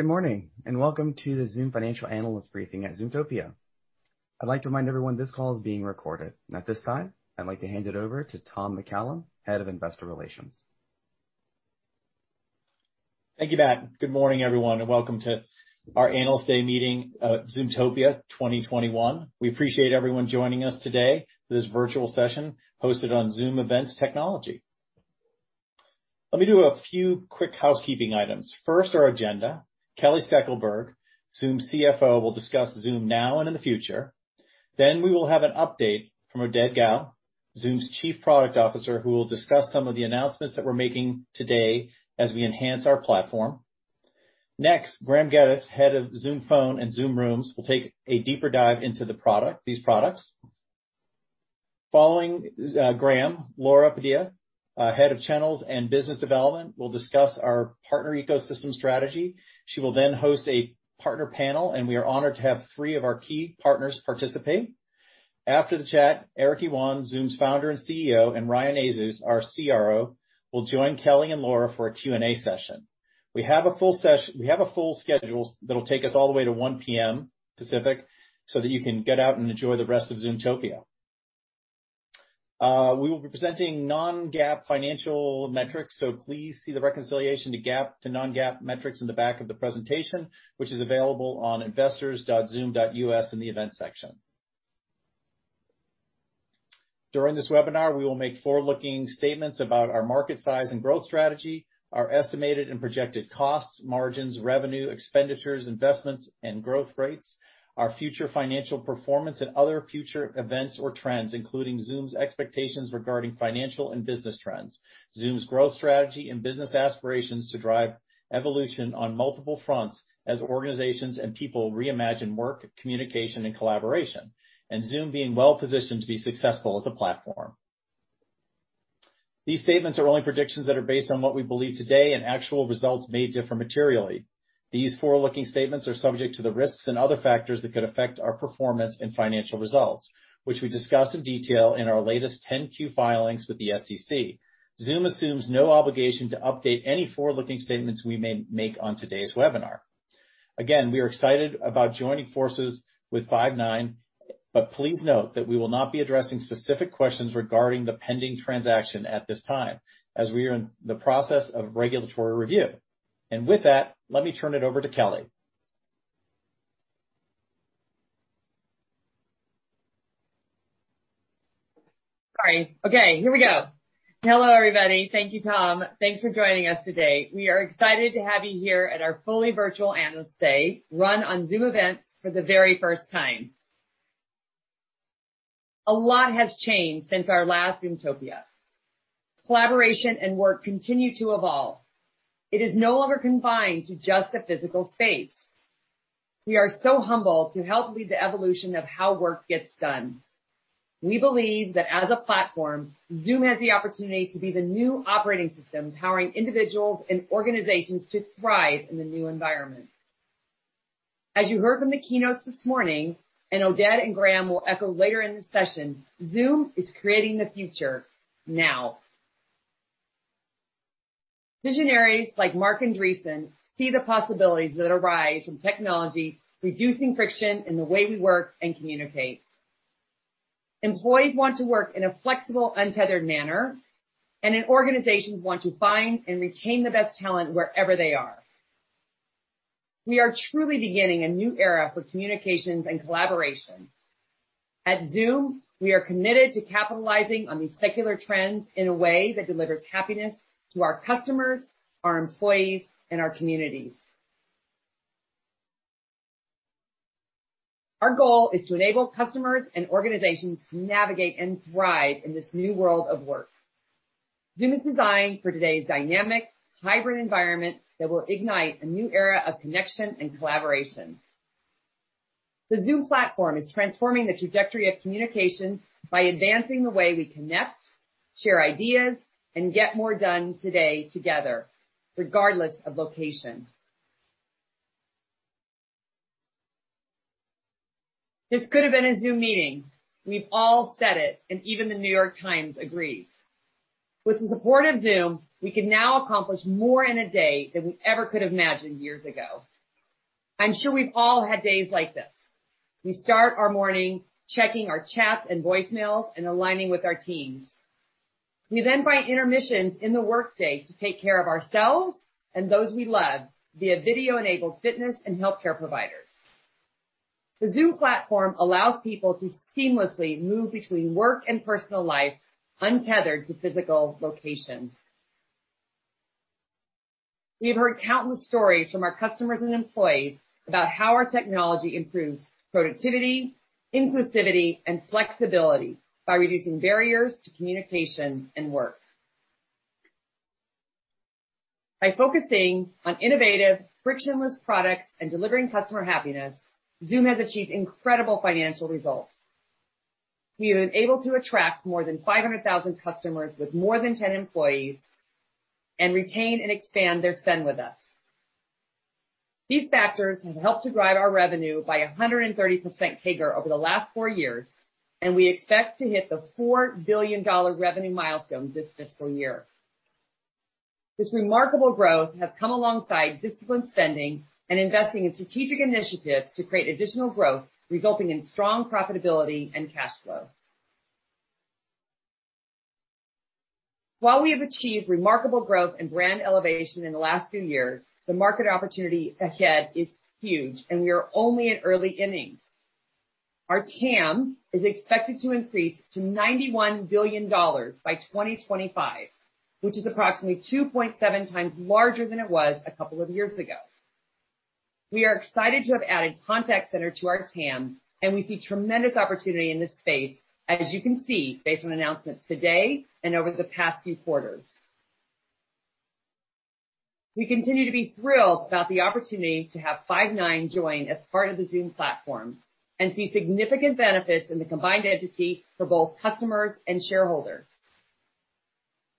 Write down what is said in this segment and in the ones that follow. Good morning, welcome to the Zoom financial analyst briefing at Zoomtopia. I'd like to remind everyone this call is being recorded. At this time, I'd like to hand it over to Tom McCallum, Head of Investor Relations. Thank you, Matt. Good morning, everyone, and welcome to our Analyst Day meeting, Zoomtopia 2021. We appreciate everyone joining us today for this virtual session hosted on Zoom Events technology. Let me do a few quick housekeeping items. First, our agenda. Kelly Steckelberg, Zoom's CFO, will discuss Zoom now and in the future. We will have an update from Oded Gal, Zoom's Chief Product Officer, who will discuss some of the announcements that we're making today as we enhance our platform. Graeme Geddes, Head of Zoom Phone and Zoom Rooms, will take a deeper dive into these products. Following Graeme, Laura Padilla, Head of Channels and Business Development, will discuss our partner ecosystem strategy. She will then host a partner panel, and we are honored to have three of our key partners participate. After the chat, Eric Yuan, Zoom's Founder and CEO, and Ryan Azus, our CRO, will join Kelly and Laura for a Q&A session. We have a full schedule that'll take us all the way to 1:00 P.M. Pacific so that you can get out and enjoy the rest of Zoomtopia. We will be presenting non-GAAP financial metrics. Please see the reconciliation to non-GAAP metrics in the back of the presentation, which is available on investors.zoom.us in the Events section. During this webinar, we will make forward-looking statements about our market size and growth strategy, our estimated and projected costs, margins, revenue, expenditures, investments, and growth rates, our future financial performance, and other future events or trends, including Zoom's expectations regarding financial and business trends, Zoom's growth strategy, and business aspirations to drive evolution on multiple fronts as organizations and people reimagine work, communication, and collaboration, and Zoom being well-positioned to be successful as a platform. These statements are only predictions that are based on what we believe today, and actual results may differ materially. These forward-looking statements are subject to the risks and other factors that could affect our performance and financial results, which we discuss in detail in our latest 10-Q filings with the SEC. Zoom assumes no obligation to update any forward-looking statements we may make on today's webinar. Again, we are excited about joining forces with Five9, but please note that we will not be addressing specific questions regarding the pending transaction at this time, as we are in the process of regulatory review. With that, let me turn it over to Kelly. Sorry. Okay, here we go. Hello, everybody. Thank you, Tom. Thanks for joining us today. We are excited to have you here at our fully virtual Analyst Day run on Zoom Events for the very first time. A lot has changed since our last Zoomtopia. Collaboration and work continue to evolve. It is no longer confined to just a physical space. We are so humbled to help lead the evolution of how work gets done. We believe that as a platform, Zoom has the opportunity to be the new operating system, empowering individuals and organizations to thrive in the new environment. As you heard from the keynotes this morning, Oded and Graeme will echo later in the session, Zoom is creating the future now. Visionaries like Marc Andreessen see the possibilities that arise from technology reducing friction in the way we work and communicate. Employees want to work in a flexible, untethered manner, and organizations want to find and retain the best talent wherever they are. We are truly beginning a new era for communications and collaboration. At Zoom, we are committed to capitalizing on these secular trends in a way that delivers happiness to our customers, our employees, and our communities. Our goal is to enable customers and organizations to navigate and thrive in this new world of work. Zoom is designed for today's dynamic, hybrid environment that will ignite a new era of connection and collaboration. The Zoom platform is transforming the trajectory of communication by advancing the way we connect, share ideas, and get more done today together, regardless of location. "This could've been a Zoom meeting." We've all said it, and even The New York Times agrees. With the support of Zoom, we can now accomplish more in a day than we ever could've imagined years ago. I'm sure we've all had days like this. We start our morning checking our chats and voicemails and aligning with our teams. We find intermissions in the workday to take care of ourselves and those we love via video-enabled fitness and healthcare providers. The Zoom platform allows people to seamlessly move between work and personal life, untethered to physical locations. We have heard countless stories from our customers and employees about how our technology improves productivity, inclusivity, and flexibility by reducing barriers to communication and work. By focusing on innovative, frictionless products and delivering customer happiness, Zoom has achieved incredible financial results. We have been able to attract more than 500,000 customers with more than 10 employees and retain and expand their spend with us. These factors have helped to drive our revenue by 130% CAGR over the last four years, and we expect to hit the $4 billion revenue milestone this fiscal year. This remarkable growth has come alongside disciplined spending and investing in strategic initiatives to create additional growth, resulting in strong profitability and cash flow. While we have achieved remarkable growth and brand elevation in the last few years, the market opportunity ahead is huge, and we are only in early innings. Our TAM is expected to increase to $91 billion by 2025, which is approximately 2.7 times larger than it was a couple of years ago. We are excited to have added contact center to our TAM, and we see tremendous opportunity in this space, as you can see, based on announcements today and over the past few quarters. We continue to be thrilled about the opportunity to have Five9 join as part of the Zoom platform and see significant benefits in the combined entity for both customers and shareholders.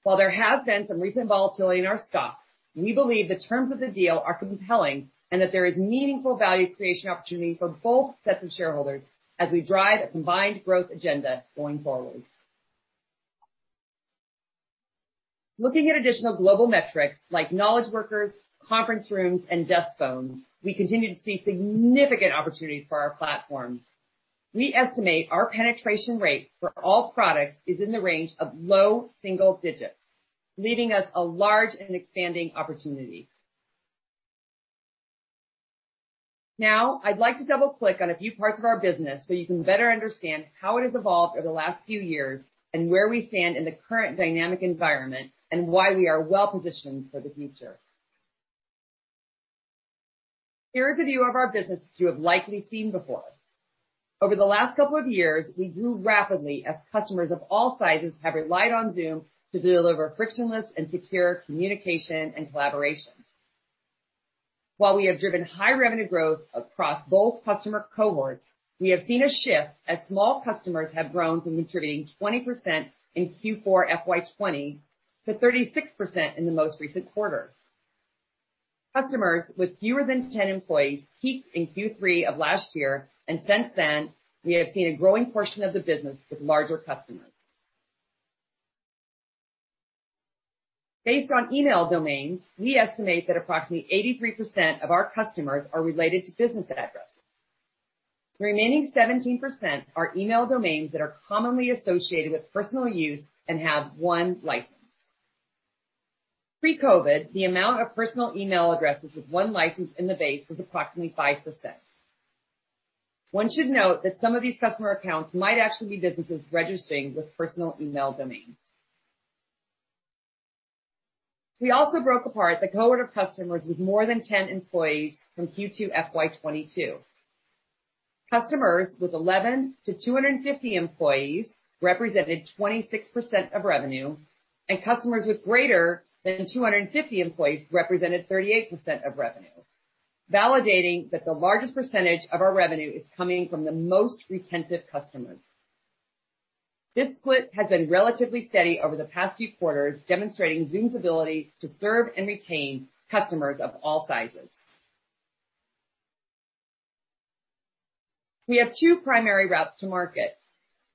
While there has been some recent volatility in our stock, we believe the terms of the deal are compelling and that there is meaningful value creation opportunity for both sets of shareholders as we drive a combined growth agenda going forward. Looking at additional global metrics like knowledge workers, conference rooms, and desk phones, we continue to see significant opportunities for our platform. We estimate our penetration rate for all products is in the range of low single digits, leaving us a large and expanding opportunity. Now, I'd like to double-click on a few parts of our business so you can better understand how it has evolved over the last few years and where we stand in the current dynamic environment and why we are well-positioned for the future. Here is a view of our business you have likely seen before. Over the last couple of years, we grew rapidly as customers of all sizes have relied on Zoom to deliver frictionless and secure communication and collaboration. While we have driven high revenue growth across both customer cohorts, we have seen a shift as small customers have grown from contributing 20% in Q4 FY 2020 to 36% in the most recent quarter. Customers with fewer than 10 employees peaked in Q3 of last year, and since then, we have seen a growing portion of the business with larger customers. Based on email domains, we estimate that approximately 83% of our customers are related to business addresses. The remaining 17% are email domains that are commonly associated with personal use and have one license. Pre-COVID, the amount of personal email addresses with one license in the base was approximately 5%. One should note that some of these customer accounts might actually be businesses registering with personal email domains. We also broke apart the cohort of customers with more than 10 employees from Q2 FY 2022. Customers with 11-250 employees represented 26% of revenue, and customers with greater than 250 employees represented 38% of revenue, validating that the largest percentage of our revenue is coming from the most retentive customers. This split has been relatively steady over the past few quarters, demonstrating Zoom's ability to serve and retain customers of all sizes. We have two primary routes to market.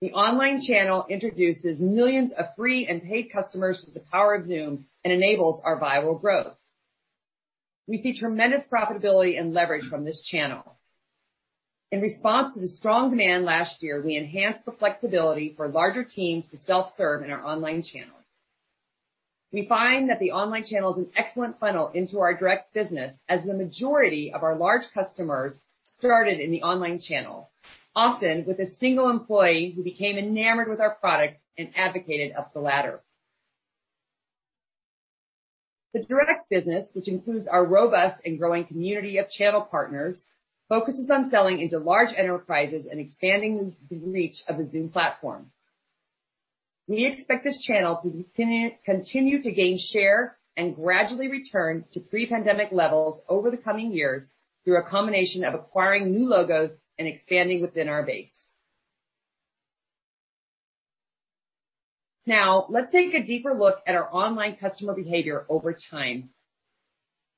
The online channel introduces millions of free and paid customers to the power of Zoom and enables our viral growth. We see tremendous profitability and leverage from this channel. In response to the strong demand last year, we enhanced the flexibility for larger teams to self-serve in our online channel. We find that the online channel is an excellent funnel into our direct business as the majority of our large customers started in the online channel, often with a single employee who became enamored with our product and advocated up the ladder. The direct business, which includes our robust and growing community of channel partners, focuses on selling into large enterprises and expanding the reach of the Zoom platform. We expect this channel to continue to gain share and gradually return to pre-pandemic levels over the coming years through a combination of acquiring new logos and expanding within our base. Let's take a deeper look at our online customer behavior over time.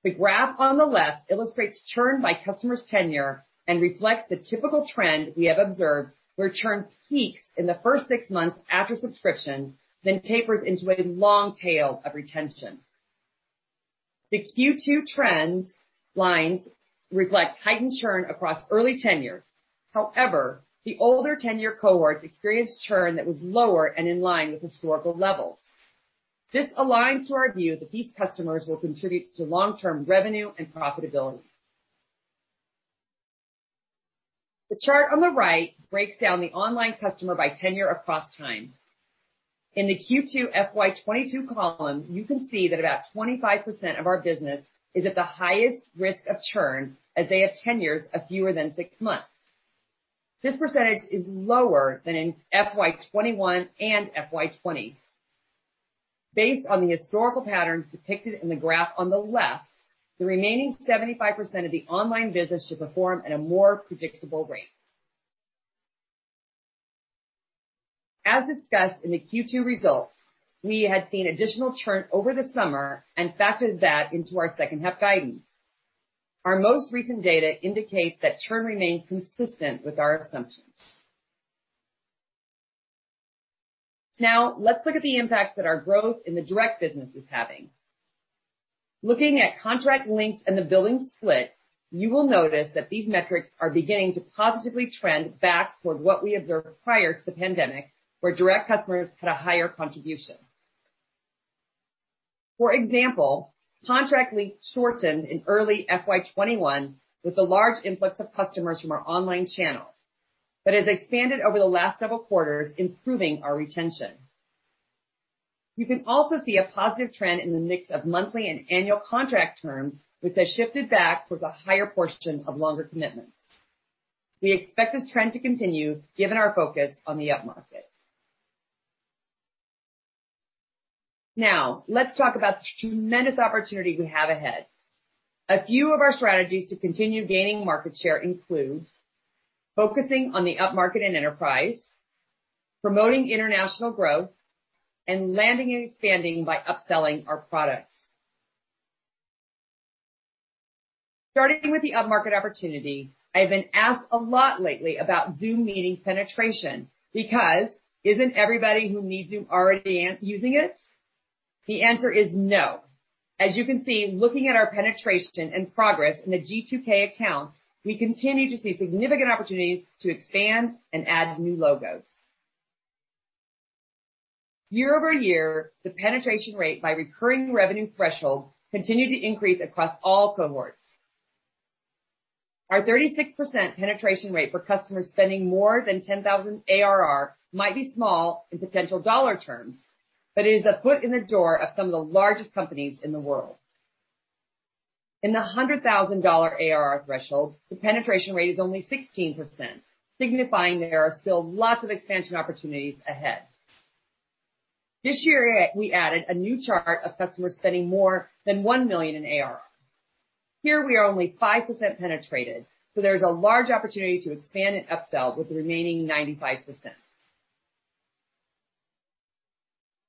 The graph on the left illustrates churn by customer's tenure and reflects the typical trend we have observed where churn peaks in the first six months after subscription, then tapers into a long tail of retention. The Q2 trends lines reflect heightened churn across early tenures. However, the older tenure cohorts experienced churn that was lower and in line with historical levels. This aligns to our view that these customers will contribute to long-term revenue and profitability. The chart on the right breaks down the online customer by tenure across time. In the Q2 FY 2022 column, you can see that about 25% of our business is at the highest risk of churn, as they have tenures of fewer than six months. This percentage is lower than in FY 2021 and FY 2020. Based on the historical patterns depicted in the graph on the left, the remaining 75% of the online business should perform at a more predictable rate. Discussed in the Q2 results, we had seen additional churn over the summer and factored that into our second half guidance. Our most recent data indicates that churn remains consistent with our assumptions. Let's look at the impact that our growth in the direct business is having. Looking at contract length and the billings split, you will notice that these metrics are beginning to positively trend back toward what we observed prior to the pandemic, where direct customers had a higher contribution. For example, contract length shortened in early FY 2021 with the large influx of customers from our online channel, but has expanded over the last several quarters, improving our retention. You can also see a positive trend in the mix of monthly and annual contract terms, which has shifted back towards a higher portion of longer commitments. We expect this trend to continue given our focus on the upmarket. Let's talk about the tremendous opportunity we have ahead. A few of our strategies to continue gaining market share include focusing on the upmarket and enterprise, promoting international growth, and landing and expanding by upselling our products. Starting with the upmarket opportunity, I've been asked a lot lately about Zoom Meetings penetration because isn't everybody who needs Zoom already using it? The answer is no. As you can see, looking at our penetration and progress in the G2000 accounts, we continue to see significant opportunities to expand and add new logos. Year-over-year, the penetration rate by recurring revenue threshold continued to increase across all cohorts. Our 36% penetration rate for customers spending more than $10,000 ARR might be small in potential dollar terms, but it is a foot in the door of some of the largest companies in the world. In the $100,000 ARR threshold, the penetration rate is only 16%, signifying there are still lots of expansion opportunities ahead. This year, we added a new chart of customers spending more than $1 million in ARR. Here we are only 5% penetrated, so there is a large opportunity to expand and upsell with the remaining 95%.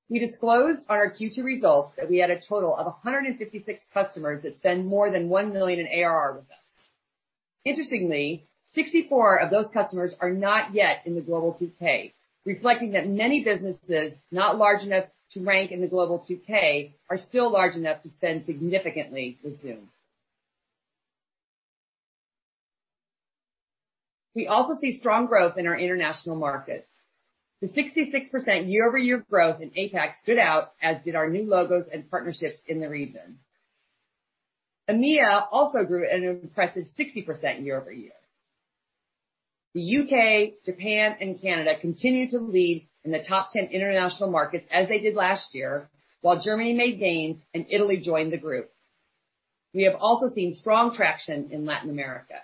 We disclosed on our Q2 results that we had a total of 156 customers that spend more than $1 million in ARR with us. Interestingly, 64 of those customers are not yet in the Global 2K, reflecting that many businesses not large enough to rank in the Global 2K are still large enough to spend significantly with Zoom. We also see strong growth in our international markets. The 66% year-over-year growth in APAC stood out, as did our new logos and partnerships in the region. EMEA also grew at an impressive 60% year-over-year. The U.K., Japan, and Canada continue to lead in the top 10 international markets as they did last year, while Germany made gains and Italy joined the group. We have also seen strong traction in Latin America.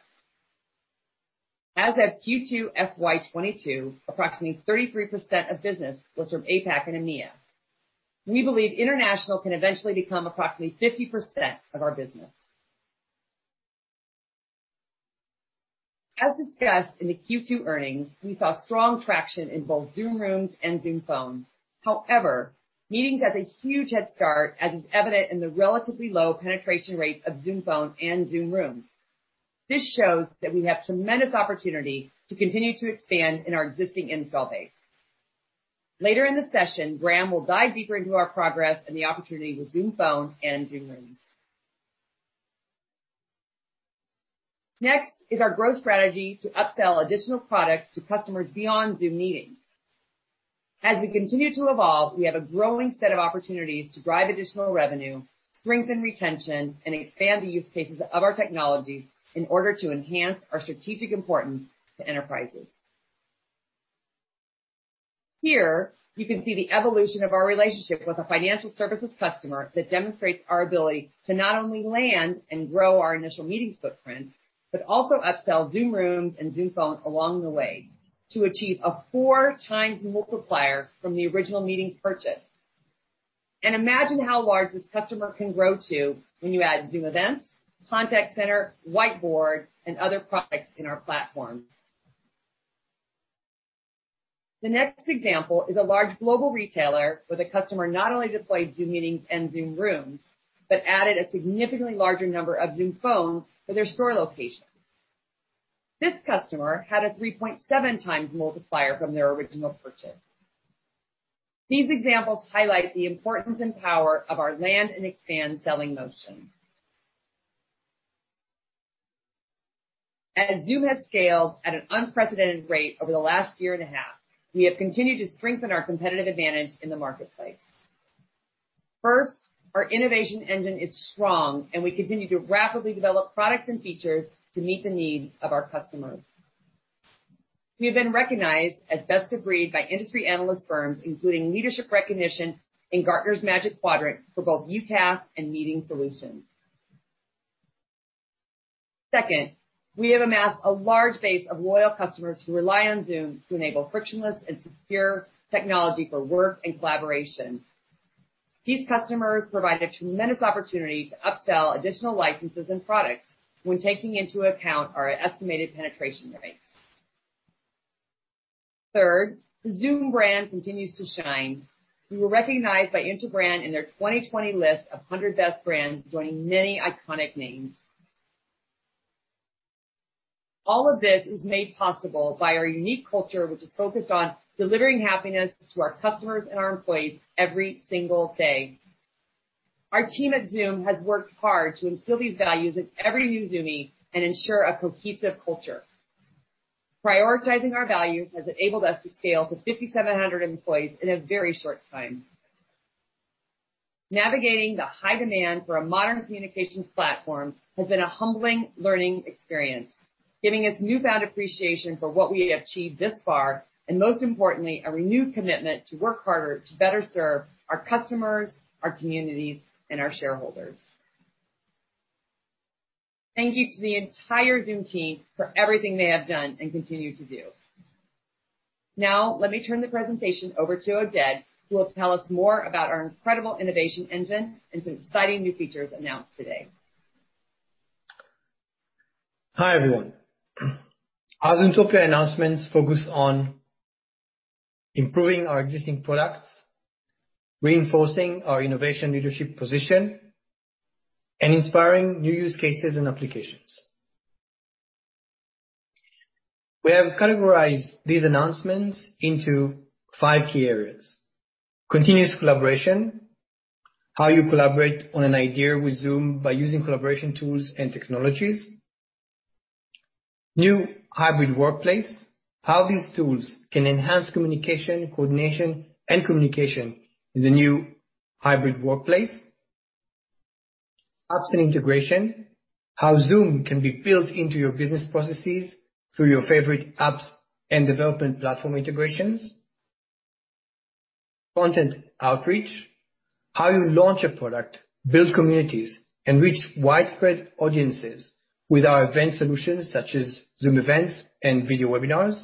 As of Q2 FY 2022, approximately 33% of business was from APAC and EMEA. We believe international can eventually become approximately 50% of our business. As discussed in the Q2 earnings, we saw strong traction in both Zoom Rooms and Zoom Phone. However, meetings had a huge head start, as is evident in the relatively low penetration rates of Zoom Phone and Zoom Rooms. This shows that we have tremendous opportunity to continue to expand in our existing install base. Later in the session, Graeme will dive deeper into our progress and the opportunity with Zoom Phone and Zoom Rooms. Next is our growth strategy to upsell additional products to customers beyond Zoom Meetings. As we continue to evolve, we have a growing set of opportunities to drive additional revenue, strengthen retention, and expand the use cases of our technology in order to enhance our strategic importance to enterprises. Here, you can see the evolution of our relationship with a financial services customer that demonstrates our ability to not only land and grow our initial Meetings footprint, but also upsell Zoom Rooms and Zoom Phone along the way to achieve a 4x multiplier from the original Meetings purchase. Imagine how large this customer can grow to when you add Zoom Events, Contact Center, Whiteboard, and other products in our platform. The next example is a large global retailer with a customer not only deployed Zoom Meetings and Zoom Rooms, but added a significantly larger number of Zoom Phones for their store locations. This customer had a 3.7x multiplier from their original purchase. These examples highlight the importance and power of our land and expand selling motion. Zoom has scaled at an unprecedented rate over the last year and a half, we have continued to strengthen our competitive advantage in the marketplace. First, our innovation engine is strong, and we continue to rapidly develop products and features to meet the needs of our customers. We have been recognized as best of breed by industry analyst firms, including leadership recognition in Gartner's Magic Quadrant for both UCaaS and Meeting Solutions. Second, we have amassed a large base of loyal customers who rely on Zoom to enable frictionless and secure technology for work and collaboration. These customers provide a tremendous opportunity to upsell additional licenses and products when taking into account our estimated penetration rates. Third, the Zoom brand continues to shine. We were recognized by Interbrand in their 2020 list of 100 best brands, joining many iconic names. All of this is made possible by our unique culture, which is focused on delivering happiness to our customers and our employees every single day. Our team at Zoom has worked hard to instill these values in every new Zoomie and ensure a cohesive culture. Prioritizing our values has enabled us to scale to 5,700 employees in a very short time. Navigating the high demand for a modern communications platform has been a humbling learning experience, giving us newfound appreciation for what we have achieved this far, and most importantly, a renewed commitment to work harder to better serve our customers, our communities, and our shareholders. Thank you to the entire Zoom team for everything they have done and continue to do. Let me turn the presentation over to Oded, who will tell us more about our incredible innovation engine and some exciting new features announced today. Hi, everyone. Our Zoomtopia announcements focus on improving our existing products, reinforcing our innovation leadership position, and inspiring new use cases and applications. We have categorized these announcements into five key areas. Continuous Collaboration, how you collaborate on an idea with Zoom by using collaboration tools and technologies. New Hybrid Workplace, how these tools can enhance communication, coordination, and communication in the New Hybrid Workplace. Apps and Integration, how Zoom can be built into your business processes through your favorite apps and development platform integrations. Content Outreach, how you launch a product, build communities, and reach widespread audiences with our event solutions such as Zoom Events and video webinars.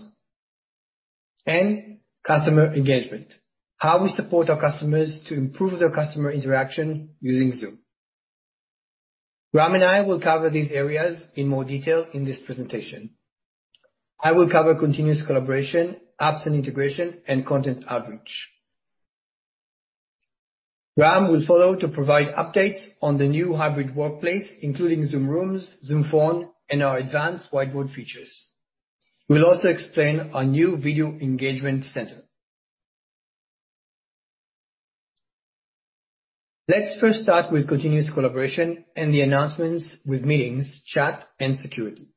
Customer Engagement, how we support our customers to improve their customer interaction using Zoom. Graeme and I will cover these areas in more detail in this presentation. I will cover Continuous Collaboration, Apps and Integration, and Content Outreach. Graeme will follow to provide updates on the new hybrid workplace, including Zoom Rooms, Zoom Phone, and our advanced whiteboard features. We will also explain our new video engagement center. Let's first start with continuous collaboration and the announcements with meetings, chat, and security.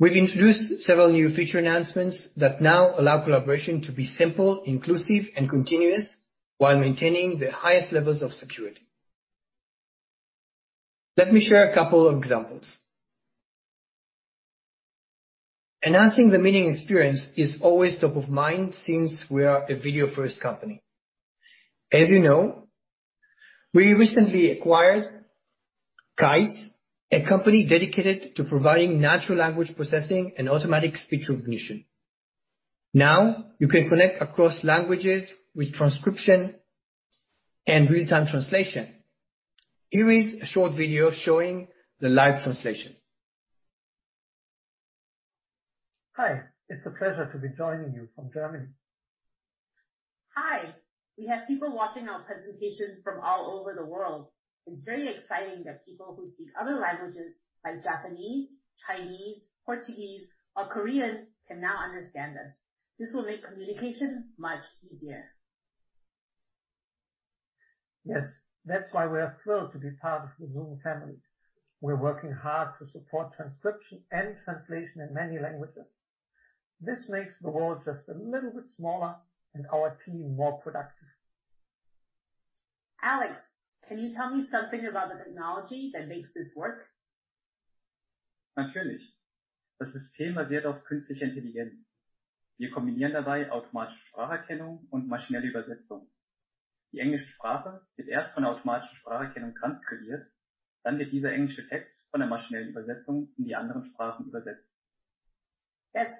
We have introduced several new feature announcements that now allow collaboration to be simple, inclusive, and continuous while maintaining the highest levels of security. Let me share a couple of examples. Enhancing the meeting experience is always top of mind since we are a video-first company. As you know, we recently acquired Kites, a company dedicated to providing natural language processing and automatic speech recognition. Now, you can connect across languages with transcription and real-time translation. Here is a short video showing the live translation. Hi. It's a pleasure to be joining you from Germany. Hi. We have people watching our presentation from all over the world. It's very exciting that people who speak other languages like Japanese, Chinese, Portuguese, or Korean can now understand us. This will make communication much easier. Yes. That's why we're thrilled to be part of the Zoom family. We're working hard to support transcription and translation in many languages. This makes the world just a little bit smaller and our team more productive. Alex, can you tell me something about the technology that makes this work? That's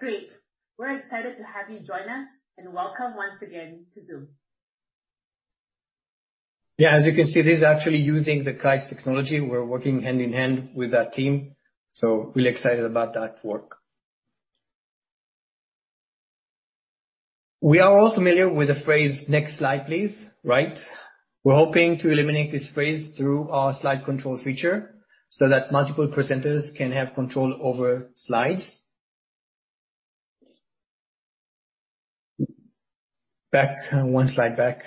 great. We're excited to have you join us, and welcome once again to Zoom. Yeah, as you can see, this is actually using the Kites technology. We're working hand in hand with that team, so really excited about that work. We are all familiar with the phrase "Next slide, please," right? We're hoping to eliminate this phrase through our slide control feature so that multiple presenters can have control over slides. Back, one slide back.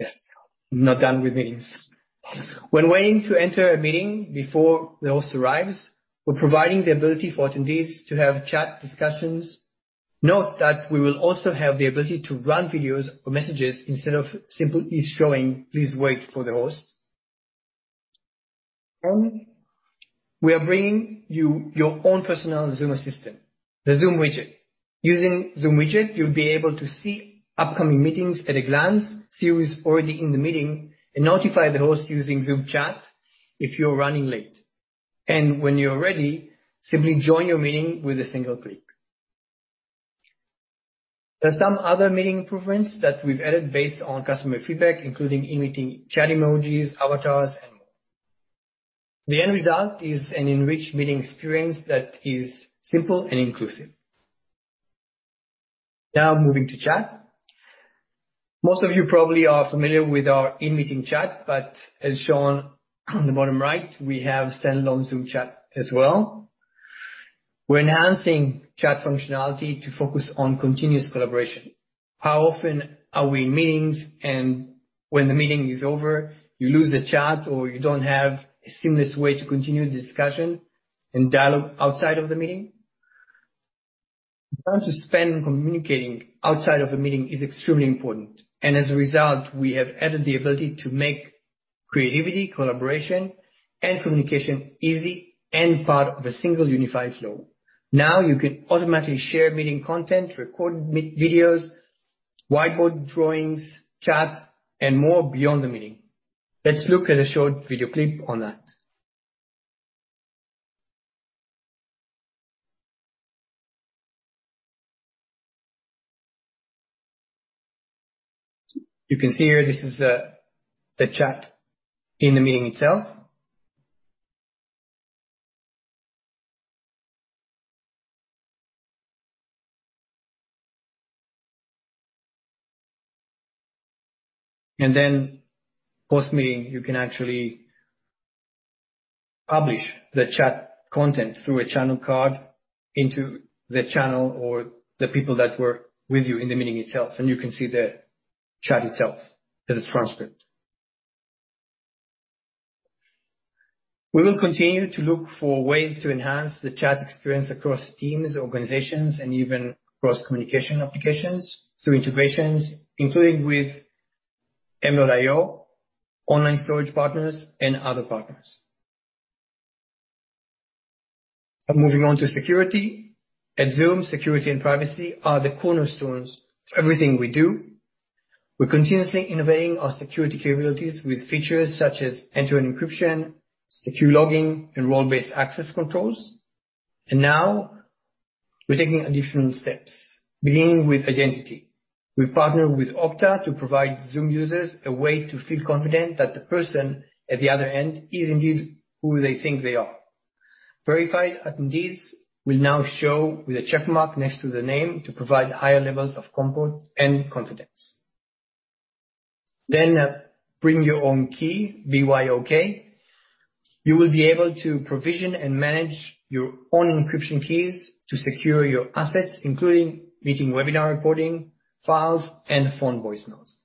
Yes. Not done with meetings. When waiting to enter a meeting before the host arrives, we're providing the ability for attendees to have chat discussions. Note that we will also have the ability to run videos or messages instead of simply showing "Please wait for the host." We are bringing you your own personal Zoom Assistant, the Zoom widget. Using Zoom Assistant, you'll be able to see upcoming meetings at a glance, see who is already in the meeting, and notify the host using Zoom Chat if you're running late. When you're ready, simply join your meeting with a single click. There are some other meeting improvements that we've added based on customer feedback, including in-meeting Chat emojis, avatars, and more. The end result is an enriched meeting experience that is simple and inclusive. Moving to Chat. Most of you probably are familiar with our in-meeting Chat, but as shown on the bottom right, we have standalone Zoom Chat as well. We're enhancing Chat functionality to focus on continuous collaboration. How often are we in meetings and when the meeting is over, you lose the Chat, or you don't have a seamless way to continue discussion and dialogue outside of the meeting? The time to spend communicating outside of a meeting is extremely important, and as a result, we have added the ability to make creativity, collaboration, and communication easy and part of a single unified flow. Now you can automatically share meeting content, record videos, whiteboard drawings, chat, and more beyond the meeting. Let's look at a short video clip on that. You can see here this is the chat in the meeting itself. Then post-meeting, you can actually publish the chat content through a channel card into the channel or the people that were with you in the meeting itself. You can see the chat itself as a transcript. We will continue to look for ways to enhance the chat experience across teams, organizations, and even cross-communication applications through integrations, including with Mio, online storage partners, and other partners. Moving on to security. At Zoom, security and privacy are the cornerstones of everything we do. We're continuously innovating our security capabilities with features such as end-to-end encryption, secure login, and role-based access controls. Now we're taking additional steps, beginning with identity. We've partnered with Okta to provide Zoom users a way to feel confident that the person at the other end is indeed who they think they are. Verified attendees will now show with a check mark next to the name to provide higher levels of comfort and confidence. Bring Your Own Key, BYOK. You will be able to provision and manage your own encryption keys to secure your assets, including meeting webinar recording, files, and phone voice notes.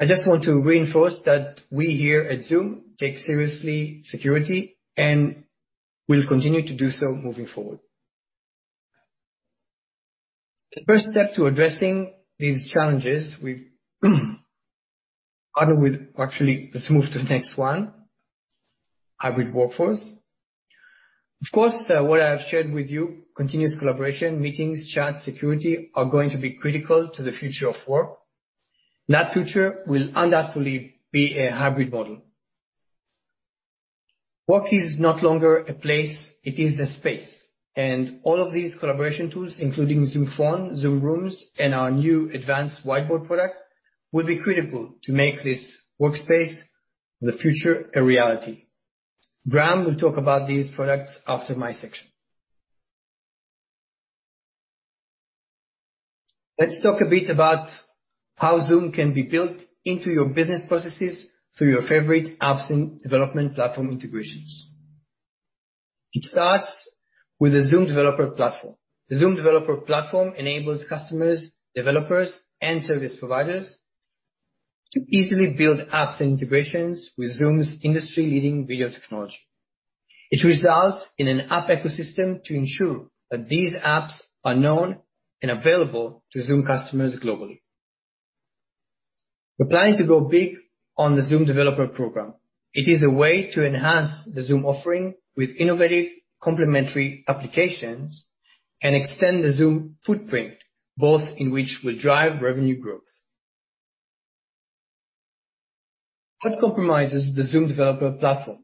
I just want to reinforce that we here at Zoom take seriously security, and we'll continue to do so moving forward. Actually, let's move to the next one. Hybrid workforce. Of course, what I have shared with you, continuous collaboration, meetings, Zoom Chat, security, are going to be critical to the future of work. That future will undoubtedly be a hybrid model. Work is no longer a place, it is a space. All of these collaboration tools, including Zoom Phone, Zoom Rooms, and our new advanced Zoom Whiteboard product, will be critical to make this workspace of the future a reality. Graeme will talk about these products after my section. Let's talk a bit about how Zoom can be built into your business processes through your favorite apps and development platform integrations. It starts with the Zoom Developer Platform. The Zoom Developer Platform enables customers, developers, and service providers to easily build apps and integrations with Zoom's industry-leading video technology. It results in an app ecosystem to ensure that these apps are known and available to Zoom customers globally. We're planning to go big on the Zoom Developer Platform. It is a way to enhance the Zoom offering with innovative complementary applications and extend the Zoom footprint, both in which will drive revenue growth. What comprises the Zoom Developer Platform?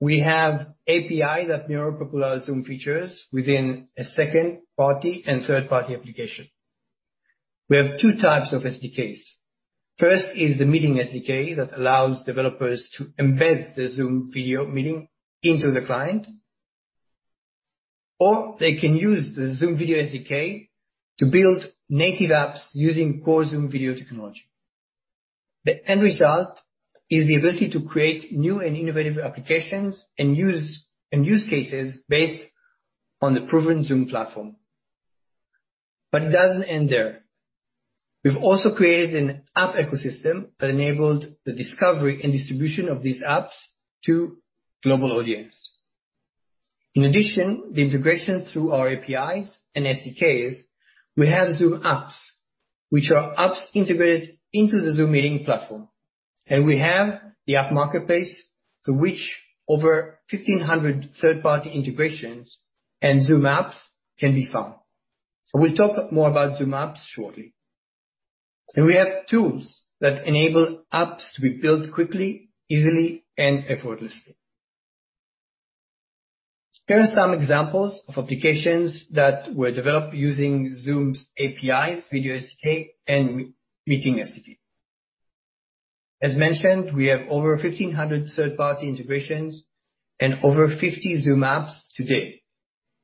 We have API that mirror popular Zoom features within a second-party and third-party application. We have two types of SDKs. First is the Meeting SDK that allows developers to embed the Zoom video meeting into the client. They can use the Zoom Video SDK to build native apps using core Zoom video technology. The end result is the ability to create new and innovative applications and use cases based on the proven Zoom platform. It doesn't end there. We've also created an app ecosystem that enabled the discovery and distribution of these apps to global audience. In addition, the integration through our APIs and SDKs, we have Zoom Apps, which are apps integrated into the Zoom Meetings platform. We have the Zoom App Marketplace, through which over 1,500 third-party integrations and Zoom Apps can be found. We'll talk more about Zoom Apps shortly. We have tools that enable apps to be built quickly, easily, and effortlessly. Here are some examples of applications that were developed using Zoom's APIs, Zoom Video SDK, and Zoom Meeting SDK. As mentioned, we have over 1,500 third-party integrations and over 50 Zoom Apps to date,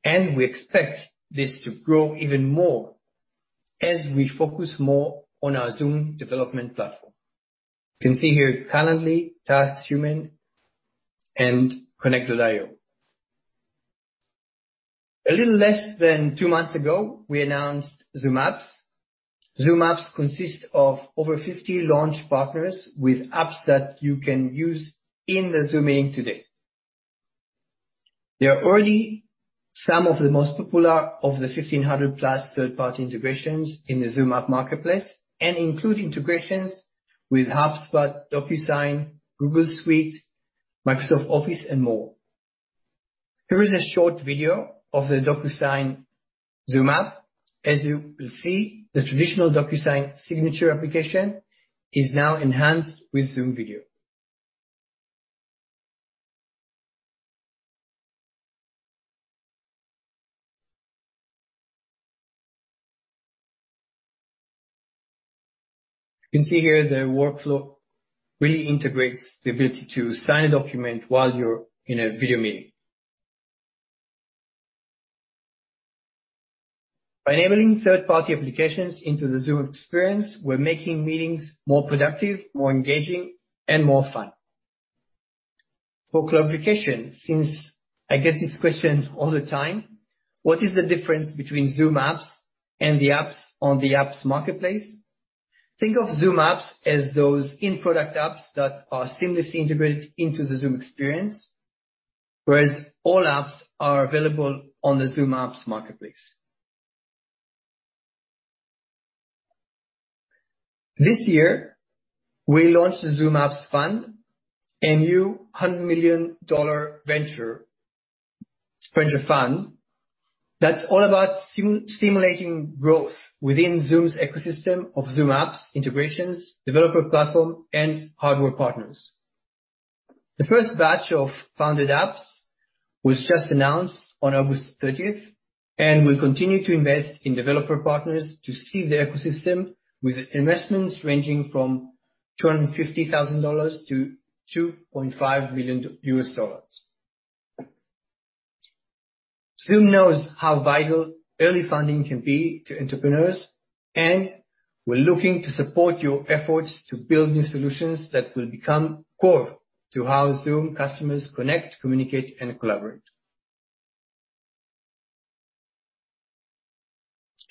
and we expect this to grow even more as we focus more on our Zoom Developer Platform. You can see here Calendly, TaskHuman, and Connect.io. A little less than two months ago, we announced Zoom Apps. Zoom Apps consist of over 50 launch partners with apps that you can use in the Zoom meeting today. There are already some of the most popular of the 1,500 plus third-party integrations in the Zoom App Marketplace, include integrations with HubSpot, DocuSign, Google Workspace, Microsoft Office, and more. Here is a short video of the DocuSign Zoom App. As you will see, the traditional DocuSign signature application is now enhanced with Zoom video. You can see here the workflow really integrates the ability to sign a document while you're in a video meeting. By enabling third-party applications into the Zoom experience, we're making meetings more productive, more engaging, and more fun. For clarification, since I get this question all the time, what is the difference between Zoom Apps and the apps on the Apps Marketplace? Think of Zoom Apps as those in-product apps that are seamlessly integrated into the Zoom experience, whereas all apps are available on the Zoom Apps Marketplace. This year, we launched the Zoom Apps Fund, a new $100 million venture fund that's all about stimulating growth within Zoom's ecosystem of Zoom Apps, integrations, developer platform, and hardware partners. The first batch of funded apps was just announced on August 30th, we'll continue to invest in developer partners to seed the ecosystem with investments ranging from $250,000-$2.5 million. Zoom knows how vital early funding can be to entrepreneurs, we're looking to support your efforts to build new solutions that will become core to how Zoom customers connect, communicate, and collaborate.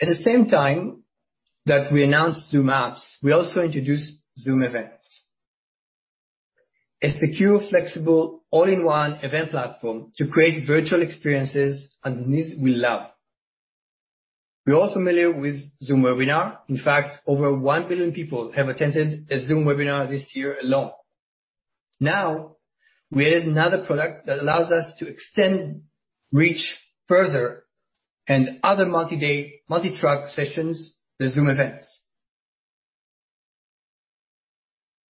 At the same time that we announced Zoom Apps, we also introduced Zoom Events, a secure, flexible, all-in-one event platform to create virtual experiences attendees will love. We are all familiar with Zoom Webinar. In fact, over 1 billion people have attended a Zoom Webinar this year alone. We added another product that allows us to extend reach further and other multi-day, multi-track sessions as Zoom Events.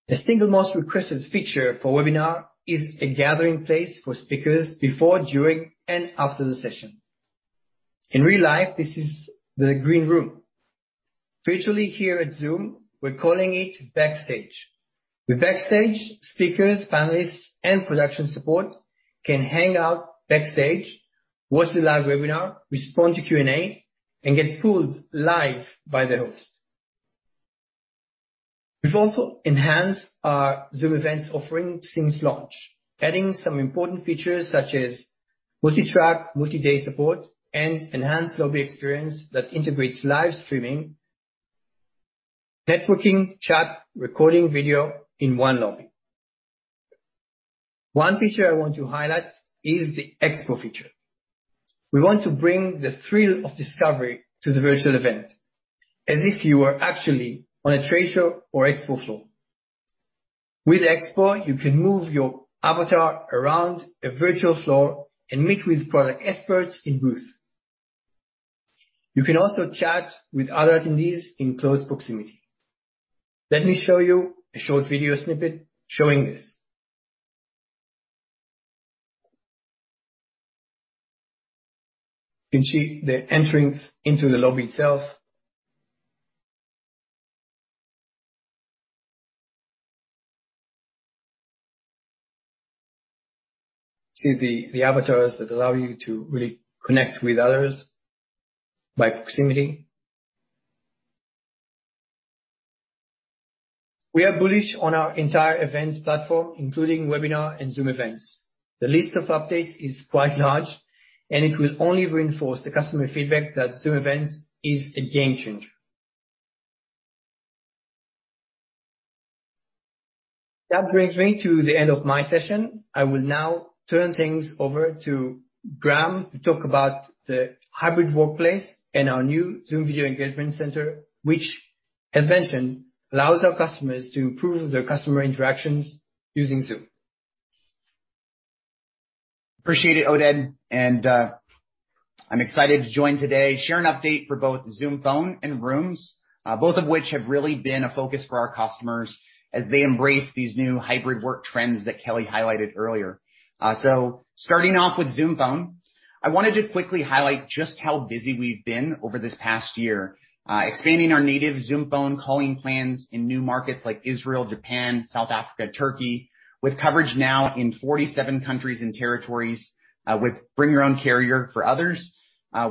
The single most requested feature for Webinar is a gathering place for speakers before, during, and after the session. In real life, this is the green room. Virtually here at Zoom, we are calling it Backstage. With Backstage, speakers, panelists, and production support can hang out backstage, watch the live webinar, respond to Q&A, and get pulled live by the host. We've also enhanced our Zoom Events offering since launch, adding some important features such as multi-track, multi-day support, and enhanced lobby experience that integrates live streaming, networking, chat, recording video in one lobby. One feature I want to highlight is the Expo feature. We want to bring the thrill of discovery to the virtual event as if you were actually on a trade show or expo floor. With Expo, you can move your avatar around a virtual floor and meet with product experts in booth. You can also chat with other attendees in close proximity. Let me show you a short video snippet showing this. You can see they're entering into the lobby itself. See the avatars that allow you to really connect with others by proximity. We are bullish on our entire events platform, including Webinar and Zoom Events. The list of updates is quite large, and it will only reinforce the customer feedback that Zoom Events is a game changer. That brings me to the end of my session. I will now turn things over to Graeme to talk about the hybrid workplace and our new Zoom Contact Center, which as mentioned, allows our customers to improve their customer interactions using Zoom. Appreciate it, Oded, and I'm excited to join today, share an update for both Zoom Phone and Rooms, both of which have really been a focus for our customers as they embrace these new hybrid work trends that Kelly highlighted earlier. Starting off with Zoom Phone, I wanted to quickly highlight just how busy we've been over this past year, expanding our native Zoom Phone calling plans in new markets like Israel, Japan, South Africa, Turkey, with coverage now in 47 countries and territories, with bring your own carrier for others.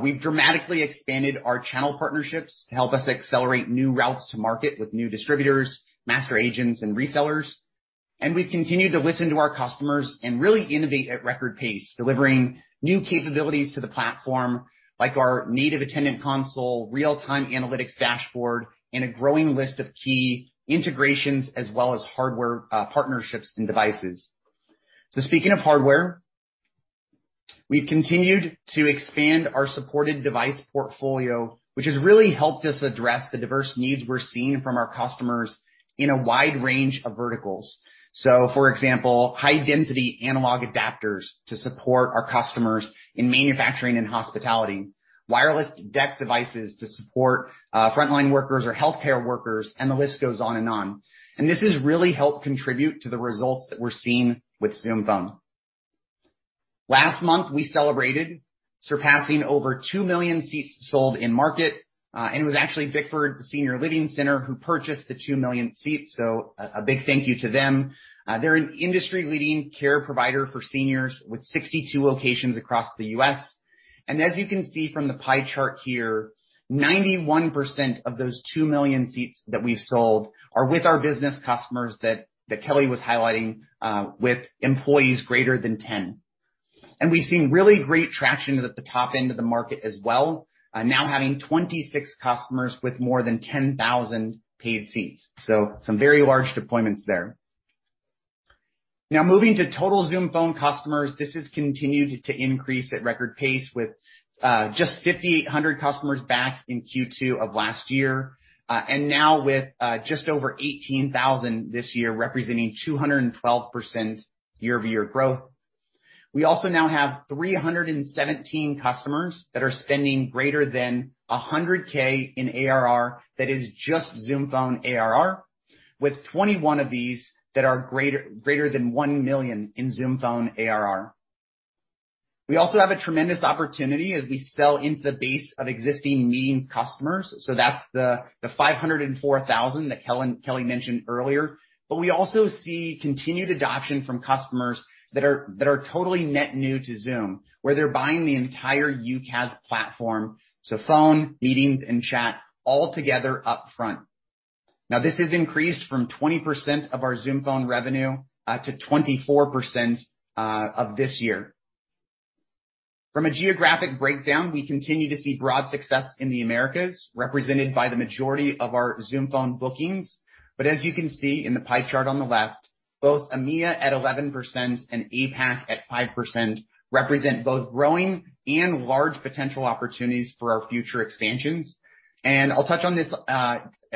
We've dramatically expanded our channel partnerships to help us accelerate new routes to market with new distributors, master agents, and resellers. We've continued to listen to our customers and really innovate at record pace, delivering new capabilities to the platform like our native attendant console, real-time analytics dashboard, and a growing list of key integrations as well as hardware partnerships and devices. Speaking of hardware, we've continued to expand our supported device portfolio, which has really helped us address the diverse needs we're seeing from our customers in a wide range of verticals. For example, high-density analog adapters to support our customers in manufacturing and hospitality, wireless DECT devices to support frontline workers or healthcare workers, and the list goes on and on. This has really helped contribute to the results that we're seeing with Zoom Phone. Last month, we celebrated surpassing over 2 million seats sold in market. It was actually Bickford Senior Living who purchased the 2 millionth seat, a big thank you to them. They're an industry-leading care provider for seniors with 62 locations across the U.S. As you can see from the pie chart here, 91% of those 2 million seats that we've sold are with our business customers that Kelly was highlighting, with employees greater than 10. We've seen really great traction at the top end of the market as well. Now having 26 customers with more than 10,000 paid seats. Some very large deployments there. Now moving to total Zoom Phone customers. This has continued to increase at record pace with just 5,800 customers back in Q2 of last year. Now with just over 18,000 this year, representing 212% year-over-year growth. We also now have 317 customers that are spending greater than $100K in ARR that is just Zoom Phone ARR with 21 of these that are greater than $1 million in Zoom Phone ARR. We also have a tremendous opportunity as we sell into the base of existing meetings customers. That's the 504,000 that Kelly mentioned earlier. We also see continued adoption from customers that are totally net new to Zoom, where they're buying the entire UCaaS platform. Phone, Meetings, and Chat all together up front. This has increased from 20% of our Zoom Phone revenue, to 24% of this year. From a geographic breakdown, we continue to see broad success in the Americas, represented by the majority of our Zoom Phone bookings. As you can see in the pie chart on the left, both EMEA at 11% and APAC at 5% represent both growing and large potential opportunities for our future expansions. I'll touch on this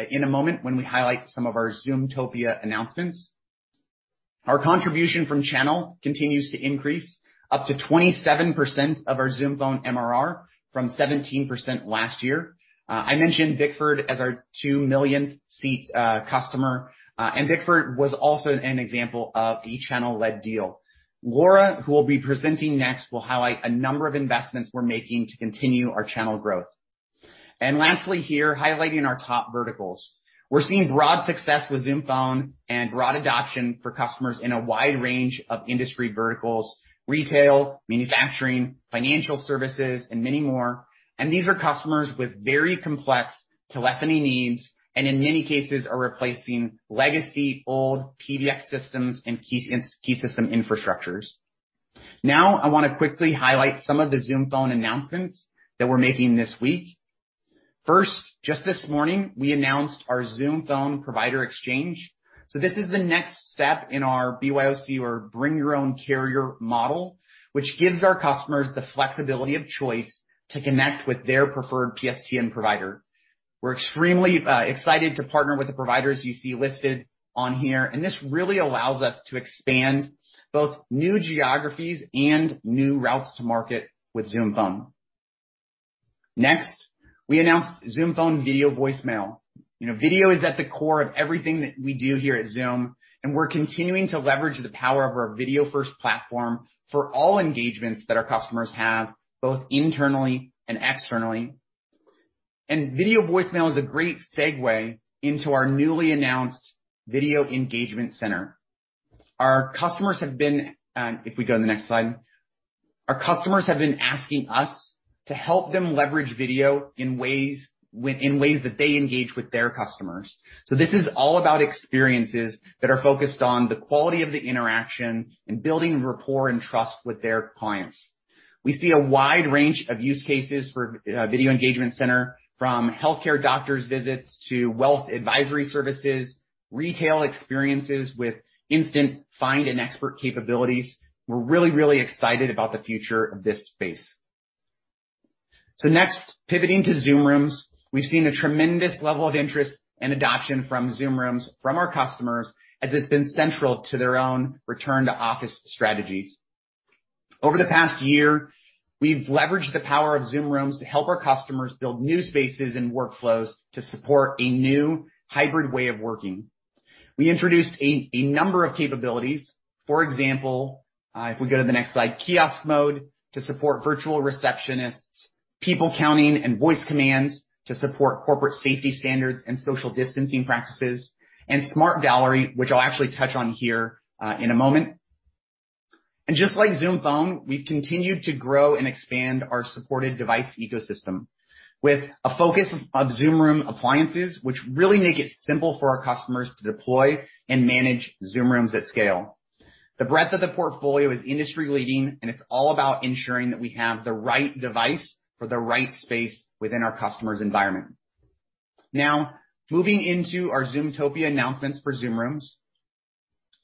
in a moment when we highlight some of our Zoomtopia announcements. Our contribution from channel continues to increase up to 27% of our Zoom Phone MRR from 17% last year. I mentioned Bickford as our 2 millionth seat customer. Bickford was also an example of a channel-led deal. Laura, who will be presenting next, will highlight a number of investments we're making to continue our channel growth. Lastly here, highlighting our top verticals. We're seeing broad success with Zoom Phone and broad adoption for customers in a wide range of industry verticals, retail, manufacturing, financial services, and many more. These are customers with very complex telephony needs, and in many cases, are replacing legacy old PBX systems and key system infrastructures. I want to quickly highlight some of the Zoom Phone announcements that we're making this week. First, just this morning, we announced our Zoom Phone Provider Exchange. This is the next step in our BYOC or Bring Your Own Carrier model, which gives our customers the flexibility of choice to connect with their preferred PSTN provider. We're extremely excited to partner with the providers you see listed on here, and this really allows us to expand both new geographies and new routes to market with Zoom Phone. Next, we announced Zoom Phone Video Voicemail. Video is at the core of everything that we do here at Zoom, we're continuing to leverage the power of our video-first platform for all engagements that our customers have, both internally and externally. Videomail is a great segue into our newly announced Video Engagement Center. Our customers have been asking us to help them leverage video in ways that they engage with their customers. This is all about experiences that are focused on the quality of the interaction and building rapport and trust with their clients. We see a wide range of use cases for Video Engagement Center, from healthcare doctors visits to wealth advisory services, retail experiences with instant find an expert capabilities. We're really excited about the future of this space. Next, pivoting to Zoom Rooms. We've seen a tremendous level of interest and adoption from Zoom Rooms from our customers, as it's been central to their own return-to-office strategies. Over the past year, we've leveraged the power of Zoom Rooms to help our customers build new spaces and workflows to support a new hybrid way of working. We introduced a number of capabilities. For example, if we go to the next slide, Kiosk Mode to support virtual receptionists, people counting and voice commands to support corporate safety standards and social distancing practices, and Smart Gallery, which I'll actually touch on here in a moment. Just like Zoom Phone, we've continued to grow and expand our supported device ecosystem with a focus of Zoom Room appliances, which really make it simple for our customers to deploy and manage Zoom Rooms at scale. The breadth of the portfolio is industry leading, and it's all about ensuring that we have the right device for the right space within our customer's environment. Moving into our Zoomtopia announcements for Zoom Rooms.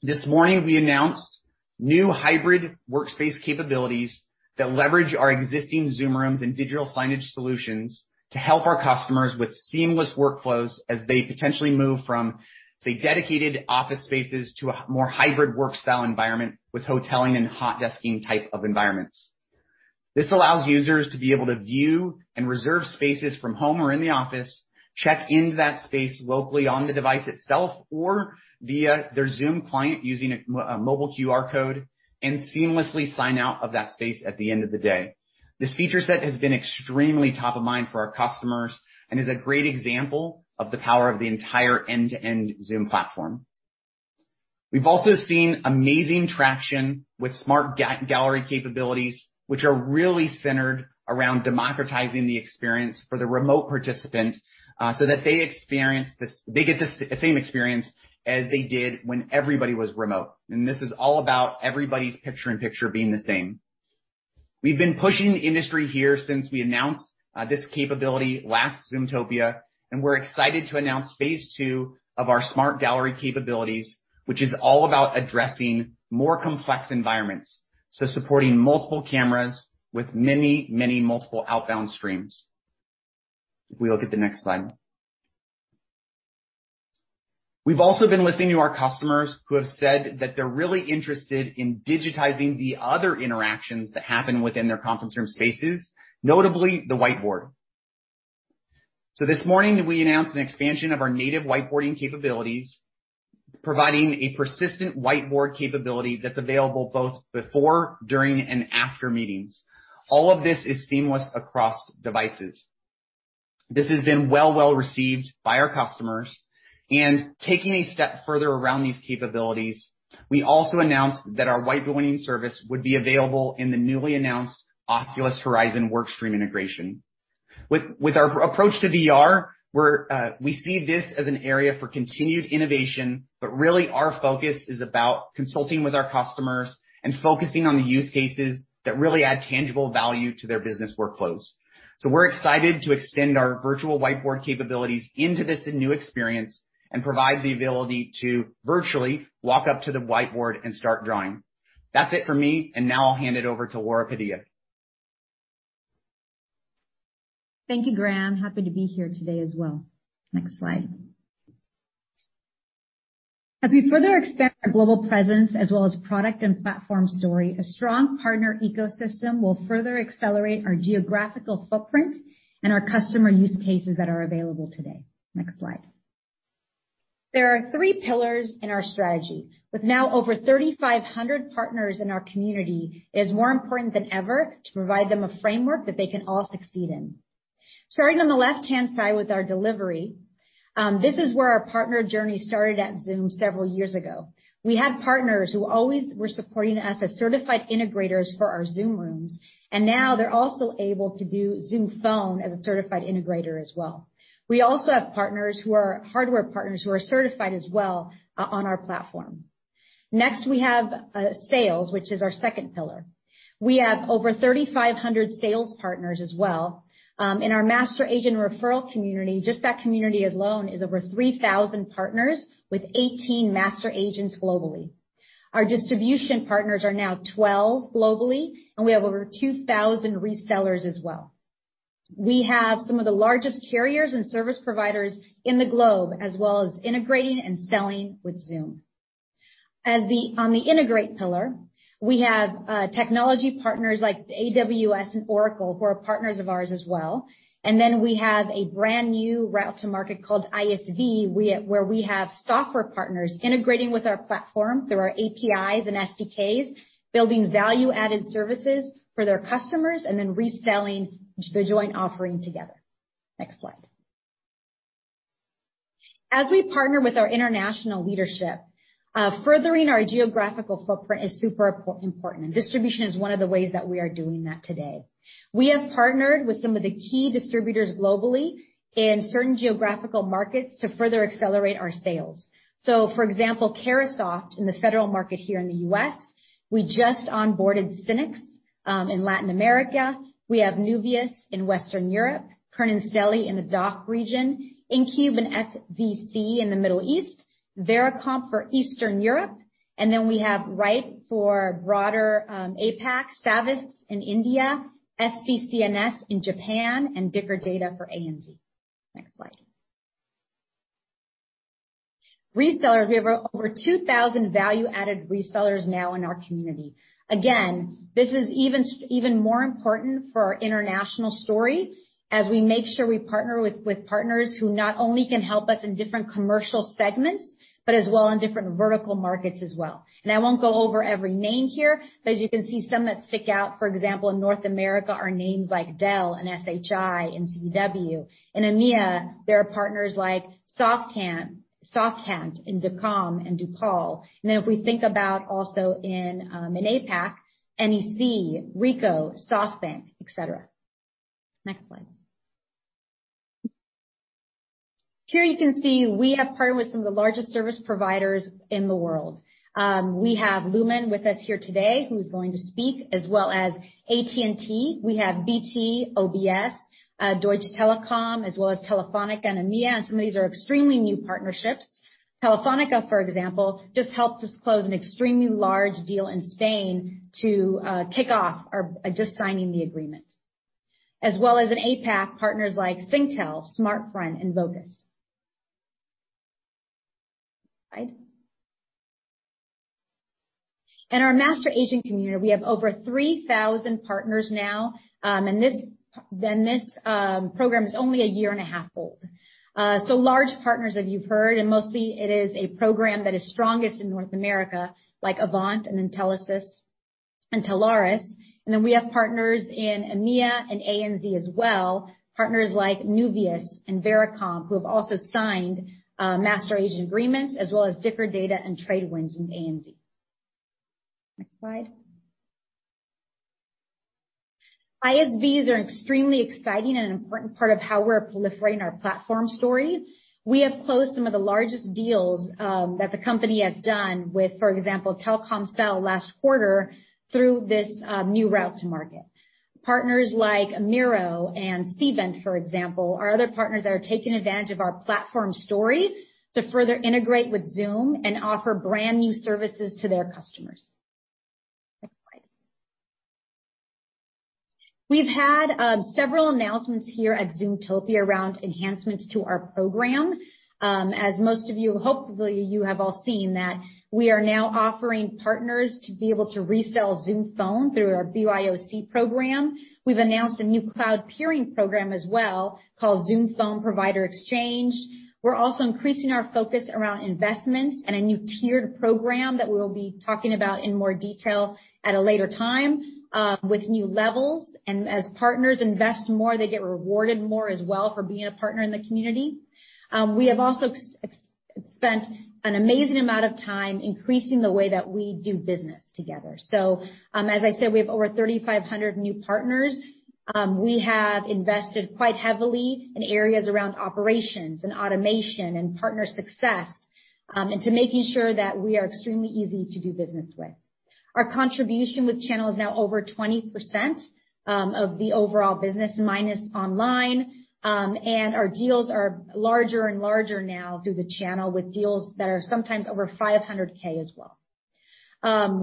This morning, we announced new hybrid workspace capabilities that leverage our existing Zoom Rooms and Digital Signage solutions to help our customers with seamless workflows as they potentially move from, say, dedicated office spaces to a more hybrid work style environment with hoteling and hot desking type of environments. This allows users to be able to view and reserve spaces from home or in the office, check into that space locally on the device itself, or via their Zoom client using a mobile QR code, and seamlessly sign out of that space at the end of the day. This feature set has been extremely top of mind for our customers and is a great example of the power of the entire end-to-end Zoom platform. We've also seen amazing traction with Smart Gallery capabilities, which are really centered around democratizing the experience for the remote participant so that they get the same experience as they did when everybody was remote. This is all about everybody's picture-in-picture being the same. We've been pushing the industry here since we announced this capability last Zoomtopia, and we're excited to announce phase two of our Smart Gallery capabilities, which is all about addressing more complex environments. Supporting many multiple cameras with many multiple outbound streams. If we look at the next slide. We've also been listening to our customers who have said that they're really interested in digitizing the other interactions that happen within their conference room spaces, notably the whiteboard. This morning, we announced an expansion of our native whiteboarding capabilities, providing a persistent whiteboard capability that's available both before, during, and after meetings. All of this is seamless across devices. This has been well received by our customers. Taking a step further around these capabilities, we also announced that our whiteboarding service would be available in the newly announced Meta Horizon Workrooms integration. With our approach to VR, we see this as an area for continued innovation, but really our focus is about consulting with our customers and focusing on the use cases that really add tangible value to their business workflows. We're excited to extend our virtual whiteboard capabilities into this new experience and provide the ability to virtually walk up to the whiteboard and start drawing. That's it for me, and now I'll hand it over to Laura Padilla. Thank you, Graeme. Happy to be here today as well. Next slide. As we further expand our global presence as well as product and platform story, a strong partner ecosystem will further accelerate our geographical footprint and our customer use cases that are available today. Next slide. There are three pillars in our strategy. With now over 3,500 partners in our community, it is more important than ever to provide them a framework that they can all succeed in. Starting on the left-hand side with our delivery, this is where our partner journey started at Zoom several years ago. We had partners who always were supporting us as certified integrators for our Zoom Rooms, and now they're also able to do Zoom Phone as a certified integrator as well. We also have partners who are hardware partners who are certified as well on our platform. Next, we have sales, which is our second pillar. We have over 3,500 sales partners as well. In our master agent referral community, just that community alone is over 3,000 partners with 18 master agents globally. Our distribution partners are now 12 globally, and we have over 2,000 resellers as well. We have some of the largest carriers and service providers in the globe, as well as integrating and selling with Zoom. On the integrate pillar, we have technology partners like AWS and Oracle, who are partners of ours as well. We have a brand new route to market called ISV, where we have software partners integrating with our platform through our APIs and SDKs, building value-added services for their customers, and then reselling the joint offering together. Next slide. As we partner with our international leadership, furthering our geographical footprint is super important, and distribution is one of the ways that we are doing that today. We have partnered with some of the key distributors globally in certain geographical markets to further accelerate our sales. For example, Carahsoft in the federal market here in the U.S. We just onboarded Synnex in Latin America. We have Nuvias in Western Europe, Komsa in the DACH region, INCUBE and FVC in the Middle East, Veracomp for Eastern Europe. Then we have Rhipe for broader APAC, Savex in India, SB C&S in Japan, and Dicker Data for ANZ. Next slide. Resellers. We have over 2,000 value-added resellers now in our community. This is even more important for our international story as we make sure we partner with partners who not only can help us in different commercial segments, but as well in different vertical markets as well. I won't go over every name here, but as you can see, some that stick out, for example, in North America, are names like Dell and SHI and CDW. In EMEA, there are partners like SoftBank, Indacom, and Duplon. If we think about also in APAC, NEC, Ricoh, SoftBank, et cetera. Next slide. Here you can see we have partnered with some of the largest service providers in the world. We have Lumen with us here today, who's going to speak, as well as AT&T. We have BT, OBS, Deutsche Telekom, as well as Telefónica in EMEA, and some of these are extremely new partnerships. Telefónica, for example, just helped us close an extremely large deal in Spain to kick off our just signing the agreement. As well as in APAC, partners like Singtel, Smartfren, and Vocus. Slide. In our master agent community, we have over 3,000 partners now, and this program is only a year and a half old. Large partners that you've heard, and mostly it is a program that is strongest in North America, like Avant and Intelisys and Telarus. We have partners in EMEA and ANZ as well, partners like Nuvias and Veracomp, who have also signed master agent agreements, as well as Dicker Data and Tradewinds in ANZ. Next slide. ISVs are an extremely exciting and an important part of how we're proliferating our platform story. We have closed some of the largest deals that the company has done with, for example, Telkomsel last quarter through this new route to market. Partners like Miro and Cvent, for example, are other partners that are taking advantage of our platform story to further integrate with Zoom and offer brand-new services to their customers. Next slide. We've had several announcements here at Zoomtopia around enhancements to our program. As most of you, hopefully, you have all seen that we are now offering partners to be able to resell Zoom Phone through our BYOC program. We've announced a new cloud peering program as well called Zoom Phone Provider Exchange. We're also increasing our focus around investment and a new tiered program that we will be talking about in more detail at a later time with new levels. As partners invest more, they get rewarded more as well for being a partner in the community. We have also spent an amazing amount of time increasing the way that we do business together. As I said, we have over 3,500 new partners. We have invested quite heavily in areas around operations and automation and partner success, and to making sure that we are extremely easy to do business with. Our contribution with channel is now over 20% of the overall business, minus online, and our deals are larger and larger now through the channel, with deals that are sometimes over $500K as well.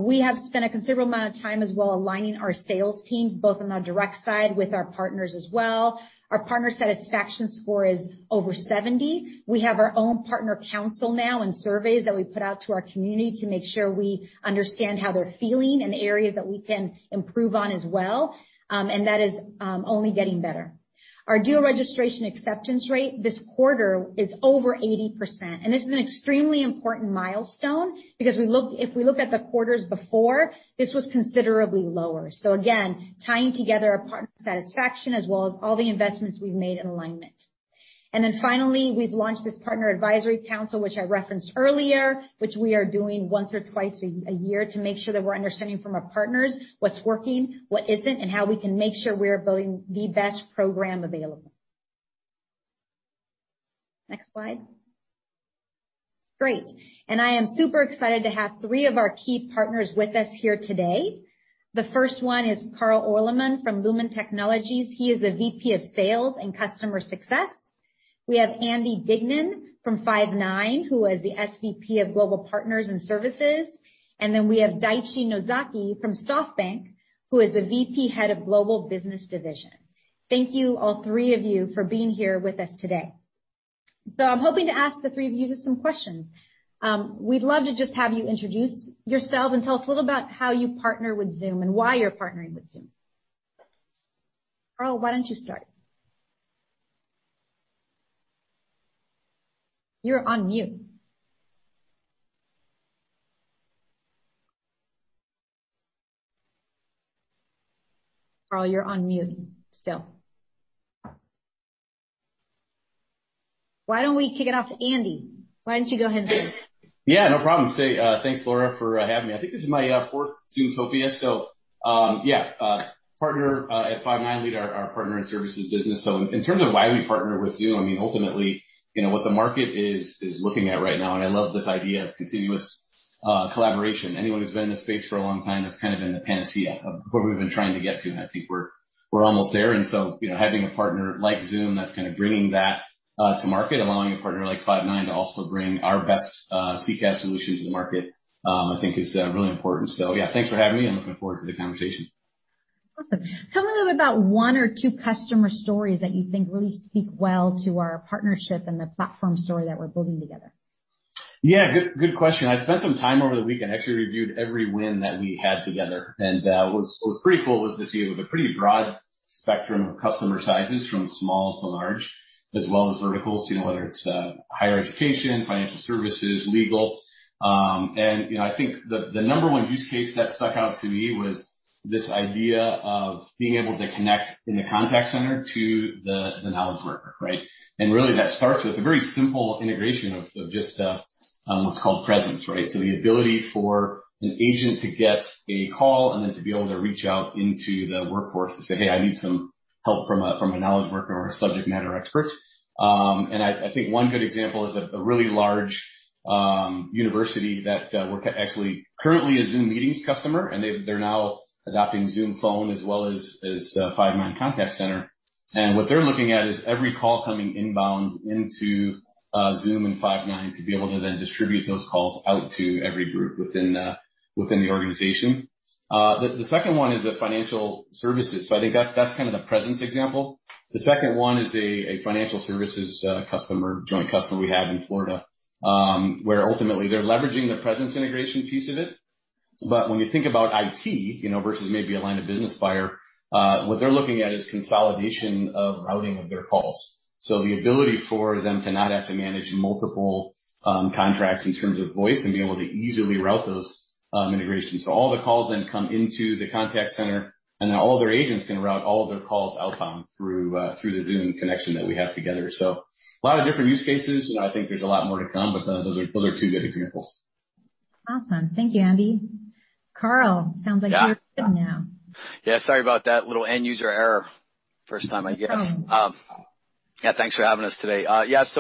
We have spent a considerable amount of time as well aligning our sales teams, both on the direct side with our partners as well. Our partner satisfaction score is over 70. We have our own partner council now and surveys that we put out to our community to make sure we understand how they're feeling and areas that we can improve on as well. That is only getting better. Our deal registration acceptance rate this quarter is over 80%. This is an extremely important milestone because if we look at the quarters before, this was considerably lower. Again, tying together partner satisfaction as well as all the investments we've made in alignment. Finally, we've launched this partner advisory council, which I referenced earlier, which we are doing once or twice a year to make sure that we're understanding from our partners what's working, what isn't, and how we can make sure we're building the best program available. Next slide. Great. I am super excited to have three of our key partners with us here today. The first one is Carl Orleman from Lumen Technologies. He is the VP of Sales and Customer Success. We have Andy Dignan from Five9, who is the SVP of Global Partners and Services. We have Daichi Nozaki from SoftBank, who is the VP Head of Global Business Division. Thank you, all three of you, for being here with us today. I'm hoping to ask the three of you just some questions. We'd love to just have you introduce yourselves and tell us a little about how you partner with Zoom and why you're partnering with Zoom. Carl, why don't you start? You're on mute. Carl, you're on mute still. Why don't we kick it off to Andy? Why don't you go ahead and do it? Yeah, no problem. Thanks, Laura, for having me. I think this is my fourth Zoomtopia. Yeah, partner at Five9, lead our partner and services business. In terms of why we partner with Zoom, ultimately, what the market is looking at right now, and I love this idea of continuous collaboration. Anyone who's been in this space for a long time, that's kind of been the panacea of where we've been trying to get to, and I think we're almost there. Having a partner like Zoom that's bringing that to market, allowing a partner like Five9 to also bring our best CCaaS solutions to the market, I think is really important. Yeah, thanks for having me. I'm looking forward to the conversation. Awesome. Tell me a little bit about one or two customer stories that you think really speak well to our partnership and the platform story that we're building together. Yeah, good question. I spent some time over the weekend, actually reviewed every win that we had together. What was pretty cool was to see it was a pretty broad spectrum of customer sizes from small to large, as well as verticals, whether it's higher education, financial services, legal. I think the number one use case that stuck out to me was this idea of being able to connect in the Contact Center to the knowledge worker, right? Really, that starts with a very simple integration of just what's called presence, right? The ability for an agent to get a call and then to be able to reach out into the workforce to say, "Hey, I need some help from a knowledge worker or a subject matter expert." I think one good example is a really large university that we're actually currently a Zoom Meetings customer, and they're now adopting Zoom Phone as well as Five9 Contact Center. What they're looking at is every call coming inbound into Zoom and Five9 to be able to then distribute those calls out to every group within the organization. The second one is the financial services. I think that's kind of the presence example. The second one is a financial services joint customer we have in Florida, where ultimately they're leveraging the presence integration piece of it. When you think about IT versus maybe a line-of-business buyer, what they're looking at is consolidation of routing of their calls. The ability for them to not have to manage multiple contracts in terms of voice and be able to easily route those integrations. All the calls then come into the contact center, and then all their agents can route all of their calls outbound through the Zoom connection that we have together. A lot of different use cases, and I think there's a lot more to come, but those are two good examples. Awesome. Thank you, Andy. Carl, sounds like you're good now. Yeah, sorry about that. Little end user error. First time, I guess. Oh. Thanks for having us today. Just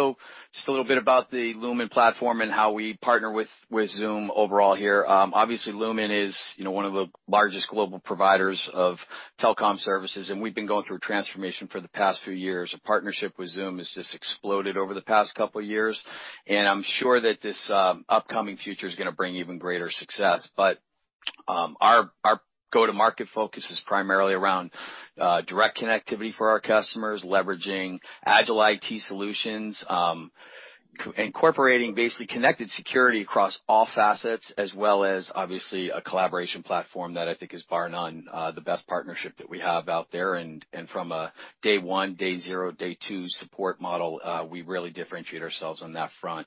a little bit about the Lumen platform and how we partner with Zoom overall here. Obviously, Lumen is one of the largest global providers of telecom services, and we've been going through a transformation for the past few years. Our partnership with Zoom has just exploded over the past couple of years, and I'm sure that this upcoming future is going to bring even greater success. Our go-to-market focus is primarily around direct connectivity for our customers, leveraging agile IT solutions, incorporating basically connected security across all facets, as well as obviously a collaboration platform that I think is bar none the best partnership that we have out there. From a day one, day zero, day two support model, we really differentiate ourselves on that front.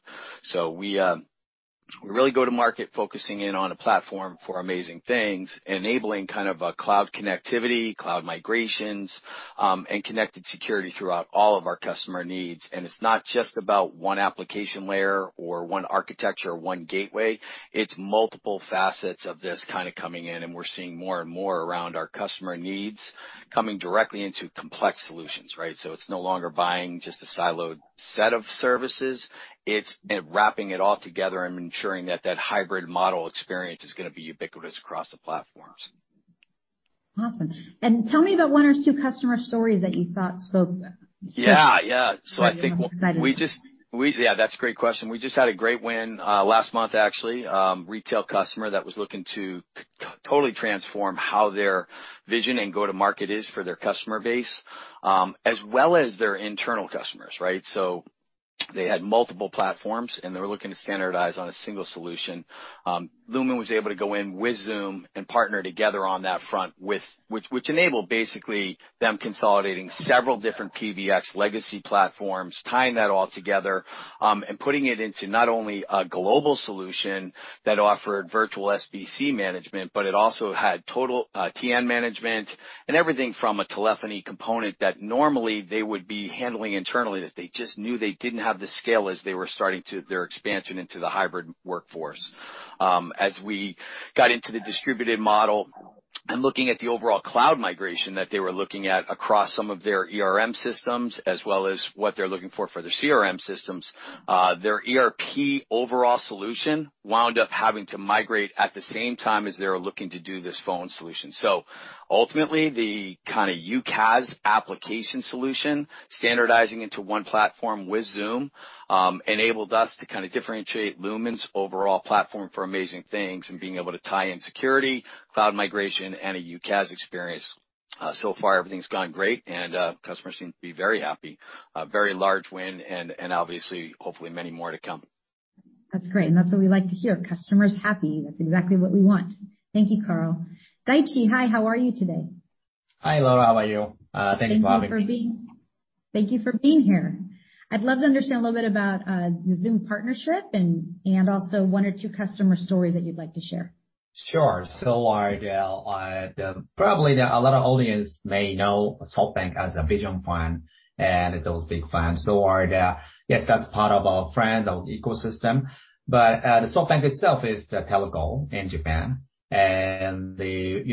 We really go to market focusing in on a platform for amazing things, enabling kind of a cloud connectivity, cloud migrations, and connected security throughout all of our customer needs. It's not just about one application layer or one architecture or one gateway. It's multiple facets of this kind of coming in, and we're seeing more and more around our customer needs coming directly into complex solutions, right? It's no longer buying just a siloed set of services. It's wrapping it all together and ensuring that that hybrid model experience is going to be ubiquitous across the platforms. Awesome. Tell me about one or two customer stories that you thought. Yeah. I'm excited. Yeah, that's a great question. We just had a great win last month, actually. Retail customer that was looking to totally transform how their vision and go-to-market is for their customer base, as well as their internal customers, right? They had multiple platforms, and they were looking to standardize on a single solution. Lumen was able to go in with Zoom and partner together on that front, which enabled basically them consolidating several different PBX legacy platforms, tying that all together, and putting it into not only a global solution that offered virtual SBC management, but it also had total TN management and everything from a telephony component that normally they would be handling internally, that they just knew they didn't have the scale as they were starting their expansion into the hybrid workforce. As we got into the distributed model and looking at the overall cloud migration that they were looking at across some of their ERP systems, as well as what they're looking for their CRM systems, their ERP overall solution wound up having to migrate at the same time as they were looking to do this phone solution. Ultimately, the kind of UCaaS application solution, standardizing into one platform with Zoom, enabled us to differentiate Lumen's overall platform for amazing things and being able to tie in security, cloud migration, and a UCaaS experience. So far, everything's gone great, and customers seem to be very happy. A very large win and obviously, hopefully many more to come. That's great, and that's what we like to hear. Customers happy. That's exactly what we want. Thank you, Carl. Daichi, hi. How are you today? Hi, Laura. How are you? Thank you for having me. Thank you for being here. I'd love to understand a little bit about the Zoom partnership and also one or two customer stories that you'd like to share. Sure. Probably a lot of audience may know SoftBank as a Vision Fund and those big funds. Yes, that's part of our fund, our ecosystem. SoftBank itself is a telco in Japan, and the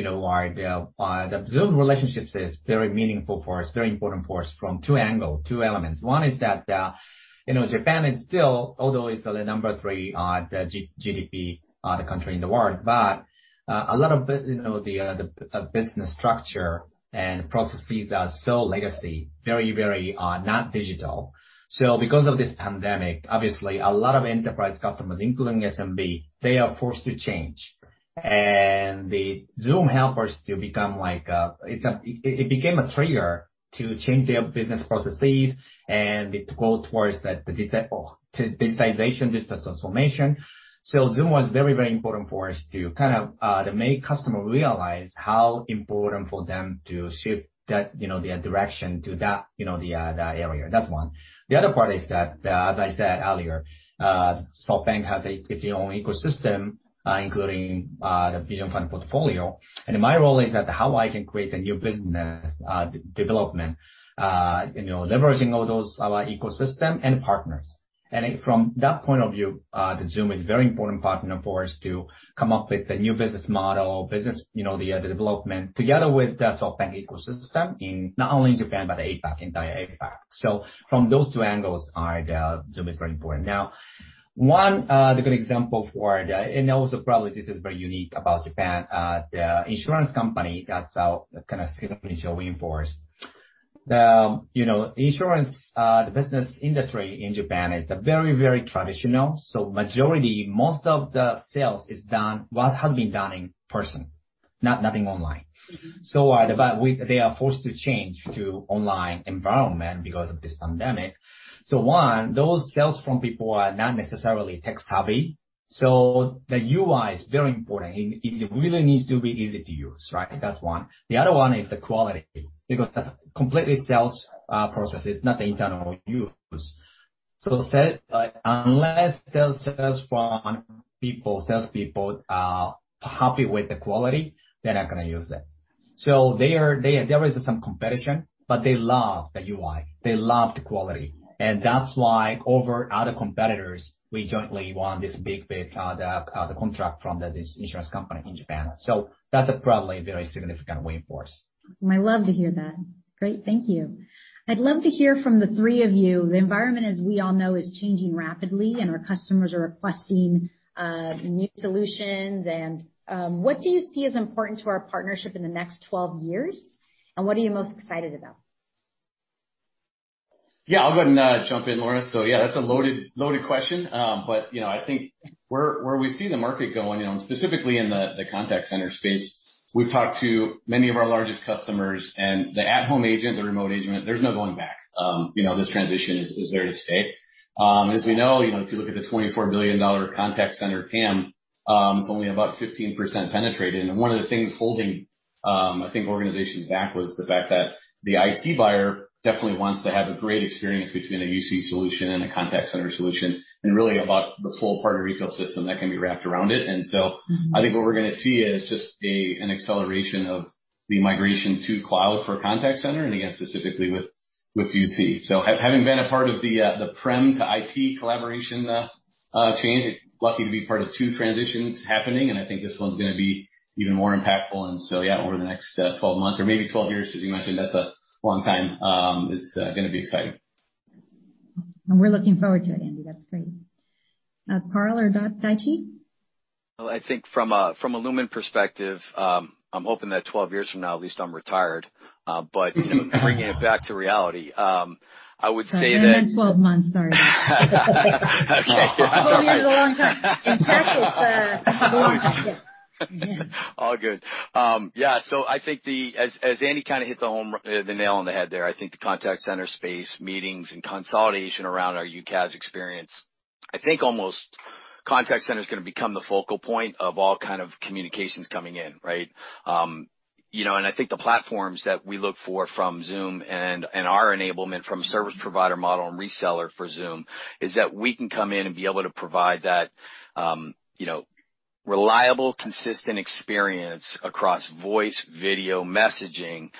Zoom relationship is very meaningful for us, very important for us from two angle, two elements. One is that Japan is still, although it's the number three GDP country in the world, but a lot of the business structure and processes are so legacy, very not digital. Because of this pandemic, obviously, a lot of enterprise customers, including SMB, they are forced to change. Zoom helped us to become a trigger to change their business processes and to go towards that digitization, digital transformation. Zoom was very important for us to make customer realize how important for them to shift their direction to that area. That's one. The other part is that, as I said earlier, SoftBank has its own ecosystem, including the Vision Fund portfolio. My role is that how I can create the new business development, leveraging all those, our ecosystem and partners. From that point of view, Zoom is a very important partner for us to come up with a new business model, the development together with the SoftBank ecosystem in not only Japan, but APAC, entire APAC. From those two angles, Zoom is very important. Now, one good example for that, and also probably this is very unique about Japan, the insurance company, that's a significant win for us. The insurance business industry in Japan is very traditional. Majority, most of the sales has been done in person, nothing online. They are forced to change to online environment because of this pandemic. One, those sales from people are not necessarily tech-savvy, so the UI is very important. It really needs to be easy to use, right? That's one. The other one is the quality, because that's completely sales processes, not the internal use. Unless salespeople are happy with the quality, they're not going to use it. There was some competition, but they love the UI, they love the quality. That's why over other competitors, we jointly won this big contract from this insurance company in Japan. That's probably a very significant win for us. I love to hear that. Great. Thank you. I'd love to hear from the three of you. The environment, as we all know, is changing rapidly, and our customers are requesting new solutions. What do you see as important to our partnership in the next 12 years, and what are you most excited about? Yeah, I'll go ahead and jump in, Laura. Yeah, that's a loaded question. I think where we see the market going, and specifically in the contact center space, we've talked to many of our largest customers and the at-home agent, the remote agent, there's no going back. This transition is there to stay. As we know, if you look at the $24 billion contact center TAM, it's only about 15% penetrated. One of the things holding, I think, organizations back was the fact that the IT buyer definitely wants to have a great experience between a UC solution and a contact center solution, and really about the full partner ecosystem that can be wrapped around it. I think what we're going to see is just an acceleration of the migration to cloud for Contact Center, again, specifically with UC. Having been a part of the prem to IT collaboration change, lucky to be part of two transitions happening, I think this one's going to be even more impactful. Yeah, over the next 12 months or maybe 12 years, as you mentioned, that's a long time, it's going to be exciting. We're looking forward to it, Andy. That's great. Carl or Daichi? Well, I think from a Lumen perspective, I'm hoping that 12 years from now at least I'm retired. Bringing it back to reality, I would say. Sorry, I meant 12 months. Sorry. Okay. All right. 12 years is a long time. In tech it's a blink, yeah. All good. Yeah. I think as Andy hit the nail on the head there, I think the contact center space, meetings, and consolidation around our UCaaS experience, I think almost contact center is going to become the focal point of all kind of communications coming in, right? I think the platforms that we look for from Zoom and our enablement from service provider model and reseller for Zoom is that we can come in and be able to provide that reliable, consistent experience across voice, video, messaging.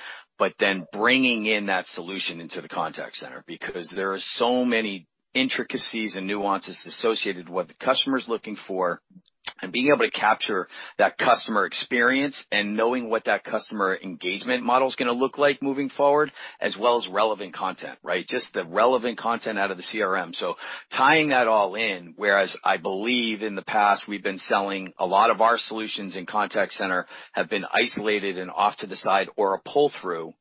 Bringing in that solution into the contact center, because there are so many intricacies and nuances associated what the customer's looking for, and being able to capture that customer experience and knowing what that customer engagement model is going to look like moving forward, as well as relevant content, right? Just the relevant content out of the CRM. Tying that all in, whereas I believe in the past, we've been selling a lot of our solutions in contact center have been isolated and off to the side or a pull-through,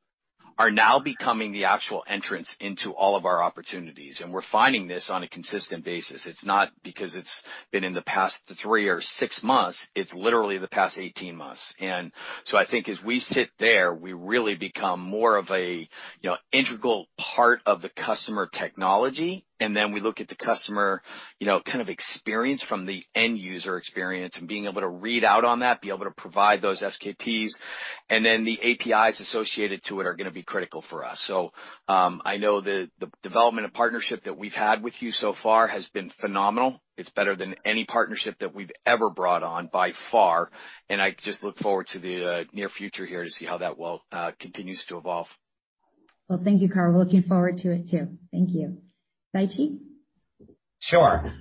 are now becoming the actual entrance into all of our opportunities. We're finding this on a consistent basis. It's not because it's been in the past three or six months, it's literally the past 18 months. I think as we sit there, we really become more of an integral part of the customer technology. We look at the customer experience from the end user experience and being able to read out on that, be able to provide those KPIs. The APIs associated to it are going to be critical for us. I know the development and partnership that we've had with you so far has been phenomenal. It's better than any partnership that we've ever brought on by far, and I just look forward to the near future here to see how that continues to evolve. Thank you, Carl. We're looking forward to it too. Thank you. Daichi? Sure.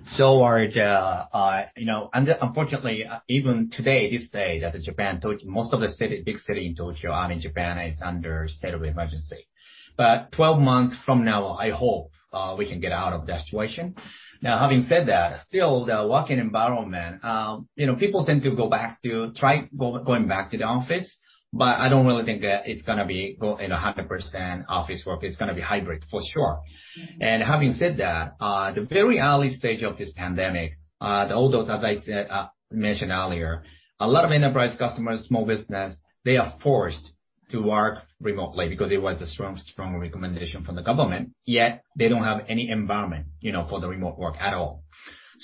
Unfortunately, even today, this day that Japan, most of the big city in Tokyo and in Japan is under state of emergency. 12 months from now, I hope we can get out of that situation. Having said that, still the working environment, people tend to try going back to the office, but I don't really think that it's going to be 100% office work. It's going to be hybrid for sure. Having said that, the very early stage of this pandemic, all those, as I mentioned earlier, a lot of enterprise customers, small business, they are forced to work remotely because it was the strong recommendation from the government, yet they don't have any environment for the remote work at all.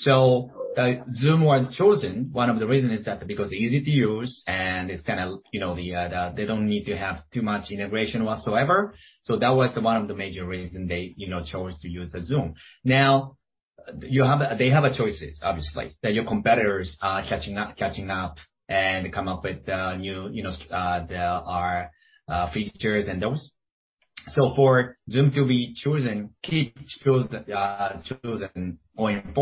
Zoom was chosen. One of the reason is that because easy to use and they don't need to have too much integration whatsoever. That was one of the major reason they chose to use Zoom. Now, they have choices, obviously, that your competitors are catching up and come up with new features and those. For Zoom to be chosen, key chosen going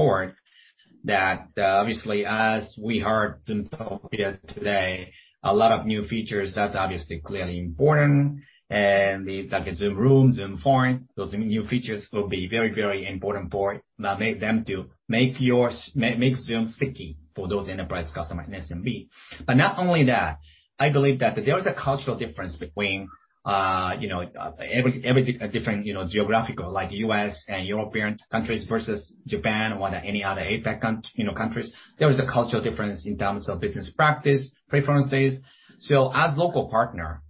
forward that obviously as we heard today, a lot of new features, that's obviously clearly important, and like Zoom Rooms and Zoom Phone, those new features will be very important for them to make Zoom sticky for those enterprise customers and SMB. Not only that, I believe that there is a cultural difference between every different geographical, like U.S. and European countries versus Japan or any other APAC countries. There is a cultural difference in terms of business practice, preferences. As local partner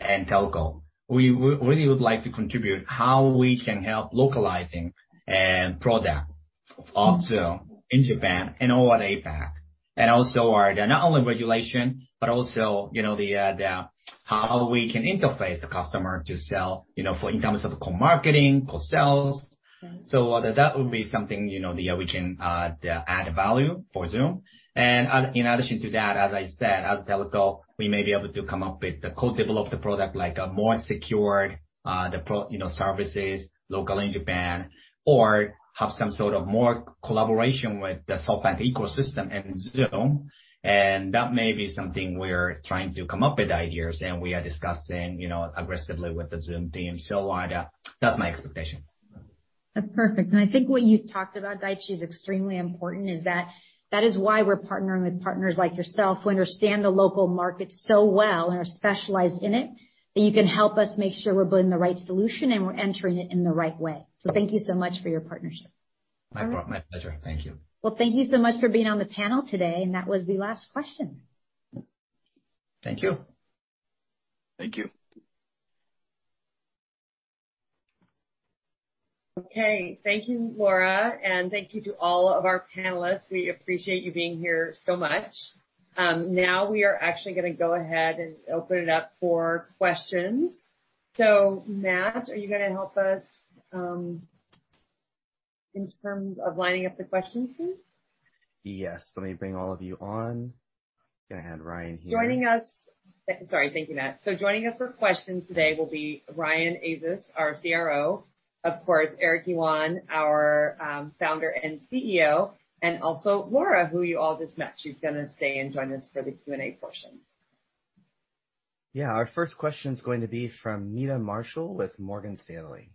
and telco, we really would like to contribute how we can help localizing a product of Zoom in Japan and all APAC. Also are not only regulation, but also how we can interface the customer to sell, in terms of co-marketing, co-sales. That would be something we can add value for Zoom. In addition to that, as I said, as a telco, we may be able to come up with the co-develop the product, like a more secured services local in Japan or have some sort of more collaboration with the software ecosystem and Zoom. That may be something we're trying to come up with ideas, and we are discussing aggressively with the Zoom team. That's my expectation. That's perfect. I think what you talked about, Daichi, is extremely important, is that that is why we're partnering with partners like yourself who understand the local market so well and are specialized in it, that you can help us make sure we're building the right solution and we're entering it in the right way. Thank you so much for your partnership. My pleasure. Thank you. Well, thank you so much for being on the panel today. That was the last question. Thank you. Thank you. Okay. Thank you, Laura, and thank you to all of our panelists. We appreciate you being here so much. Now we are actually going to go ahead and open it up for questions. Matt, are you going to help us, in terms of lining up the questions here? Yes. Let me bring all of you on. Going to hand Ryan here. Sorry. Thank you, Matt. Joining us for questions today will be Ryan Azus, our CRO, of course, Eric Yuan, our Founder and CEO, and also Laura, who you all just met. She's going to stay and join us for the Q&A portion. Yeah. Our first question is going to be from Meta Marshall with Morgan Stanley.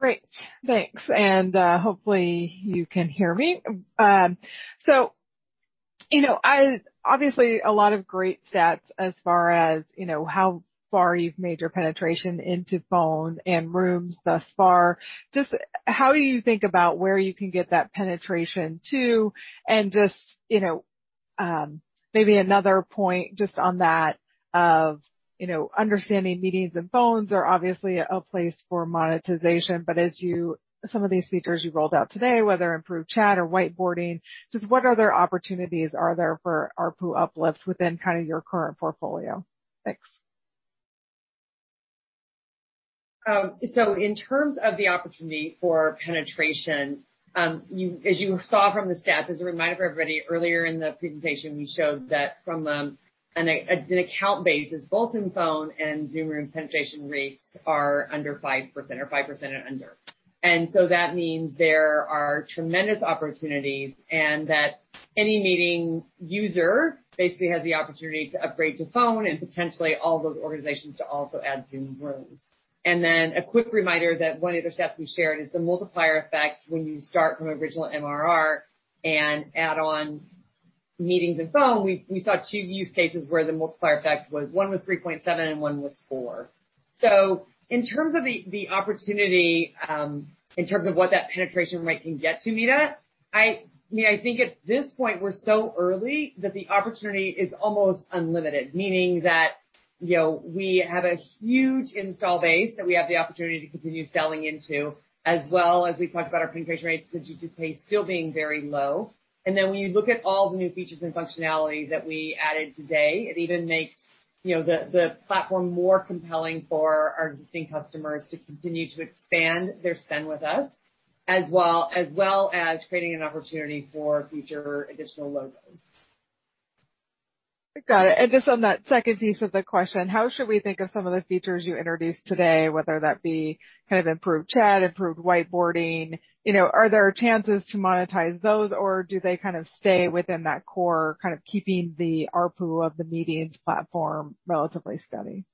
Great. Thanks. Hopefully you can hear me. Obviously a lot of great stats as far as how far you've made your penetration into Zoom Phone and Zoom Rooms thus far. Just how you think about where you can get that penetration to, and just maybe another point just on that of understanding Zoom Meetings and Zoom Phone are obviously a place for monetization. Some of these features you rolled out today, whether improved Zoom Chat or Zoom Whiteboard, just what other opportunities are there for ARPU uplift within kind of your current portfolio? Thanks. In terms of the opportunity for penetration, as you saw from the stats, as a reminder for everybody, earlier in the presentation, we showed that from an account basis, both in Phone and Zoom Room penetration rates are under 5%, or 5% and under. That means there are tremendous opportunities and that any meeting user basically has the opportunity to upgrade to Phone and potentially all those organizations to also add Zoom Room. A quick reminder that one of the other stats we shared is the multiplier effect when you start from original MRR and add on Meetings and Phone, we saw two use cases where the multiplier effect one was 3.7 and one was four. In terms of the opportunity, in terms of what that penetration rate can get to Meta, I think at this point we're so early that the opportunity is almost unlimited, meaning that we have a huge install base that we have the opportunity to continue selling into, as well as we talked about our penetration rates continue to stay still being very low. When you look at all the new features and functionality that we added today, it even makes the platform more compelling for our existing customers to continue to expand their spend with us, as well as creating an opportunity for future additional logos. Got it. Just on that second piece of the question, how should we think of some of the features you introduced today, whether that be kind of improved chat, improved whiteboarding? Are there chances to monetize those, or do they kind of stay within that core, kind of keeping the ARPU of the meetings platform relatively steady?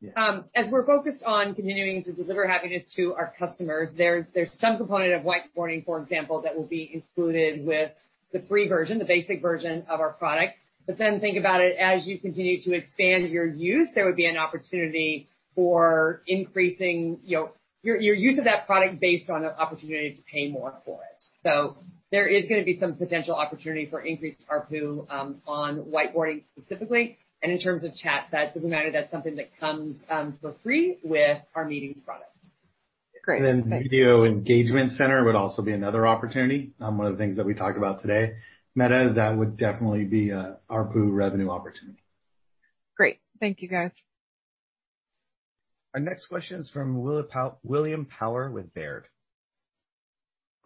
Yeah. As we're focused on continuing to deliver happiness to our customers, there's some component of whiteboarding, for example, that will be included with the free version, the basic version of our product. Think about it, as you continue to expand your use, there would be an opportunity for increasing your use of that product based on an opportunity to pay more for it. There is going to be some potential opportunity for increased ARPU on whiteboarding specifically. In terms of chat, that doesn't matter. That's something that comes for free with our meetings product. Great. Video Engagement Center would also be another opportunity. One of the things that we talked about today. Meta, that would definitely be a ARPU revenue opportunity. Great. Thank you, guys. Our next question is from William Power with Baird.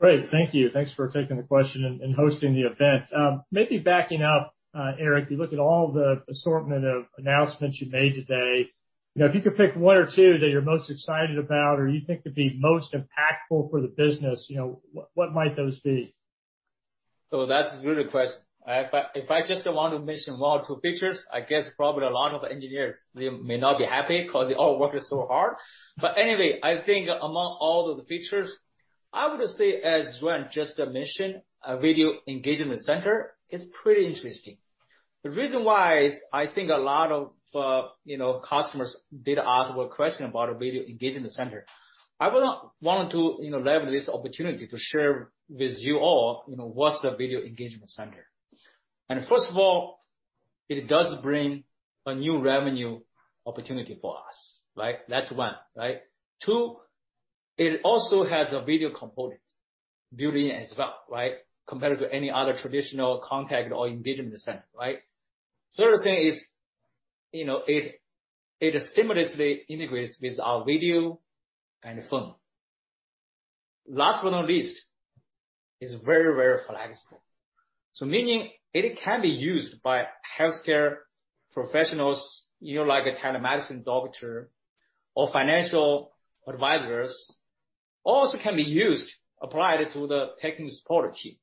Great. Thank you. Thanks for taking the question and hosting the event. Maybe backing up, Eric, you look at all the assortment of announcements you made today. If you could pick one or two that you're most excited about or you think could be most impactful for the business, what might those be? That's a good question. If I just want to mention one or two features, I guess probably a lot of engineers, they may not be happy because they all worked so hard. Anyway, I think among all those features, I would say, as Ryan just mentioned, Zoom Contact Center is pretty interesting. The reason why is I think a lot of customers did ask a question about a Zoom Contact Center. I would want to leverage this opportunity to share with you all what's the Zoom Contact Center. First of all, it does bring a new revenue opportunity for us, right? That's one, right? Two, it also has a video component built in as well, right? Compared to any other traditional contact or engagement center, right? Third thing is it seamlessly integrates with our video and phone. Last but not least, it's very flexible. Meaning it can be used by healthcare professionals, like a telemedicine doctor or financial advisors. Can be used, applied to the technical support team.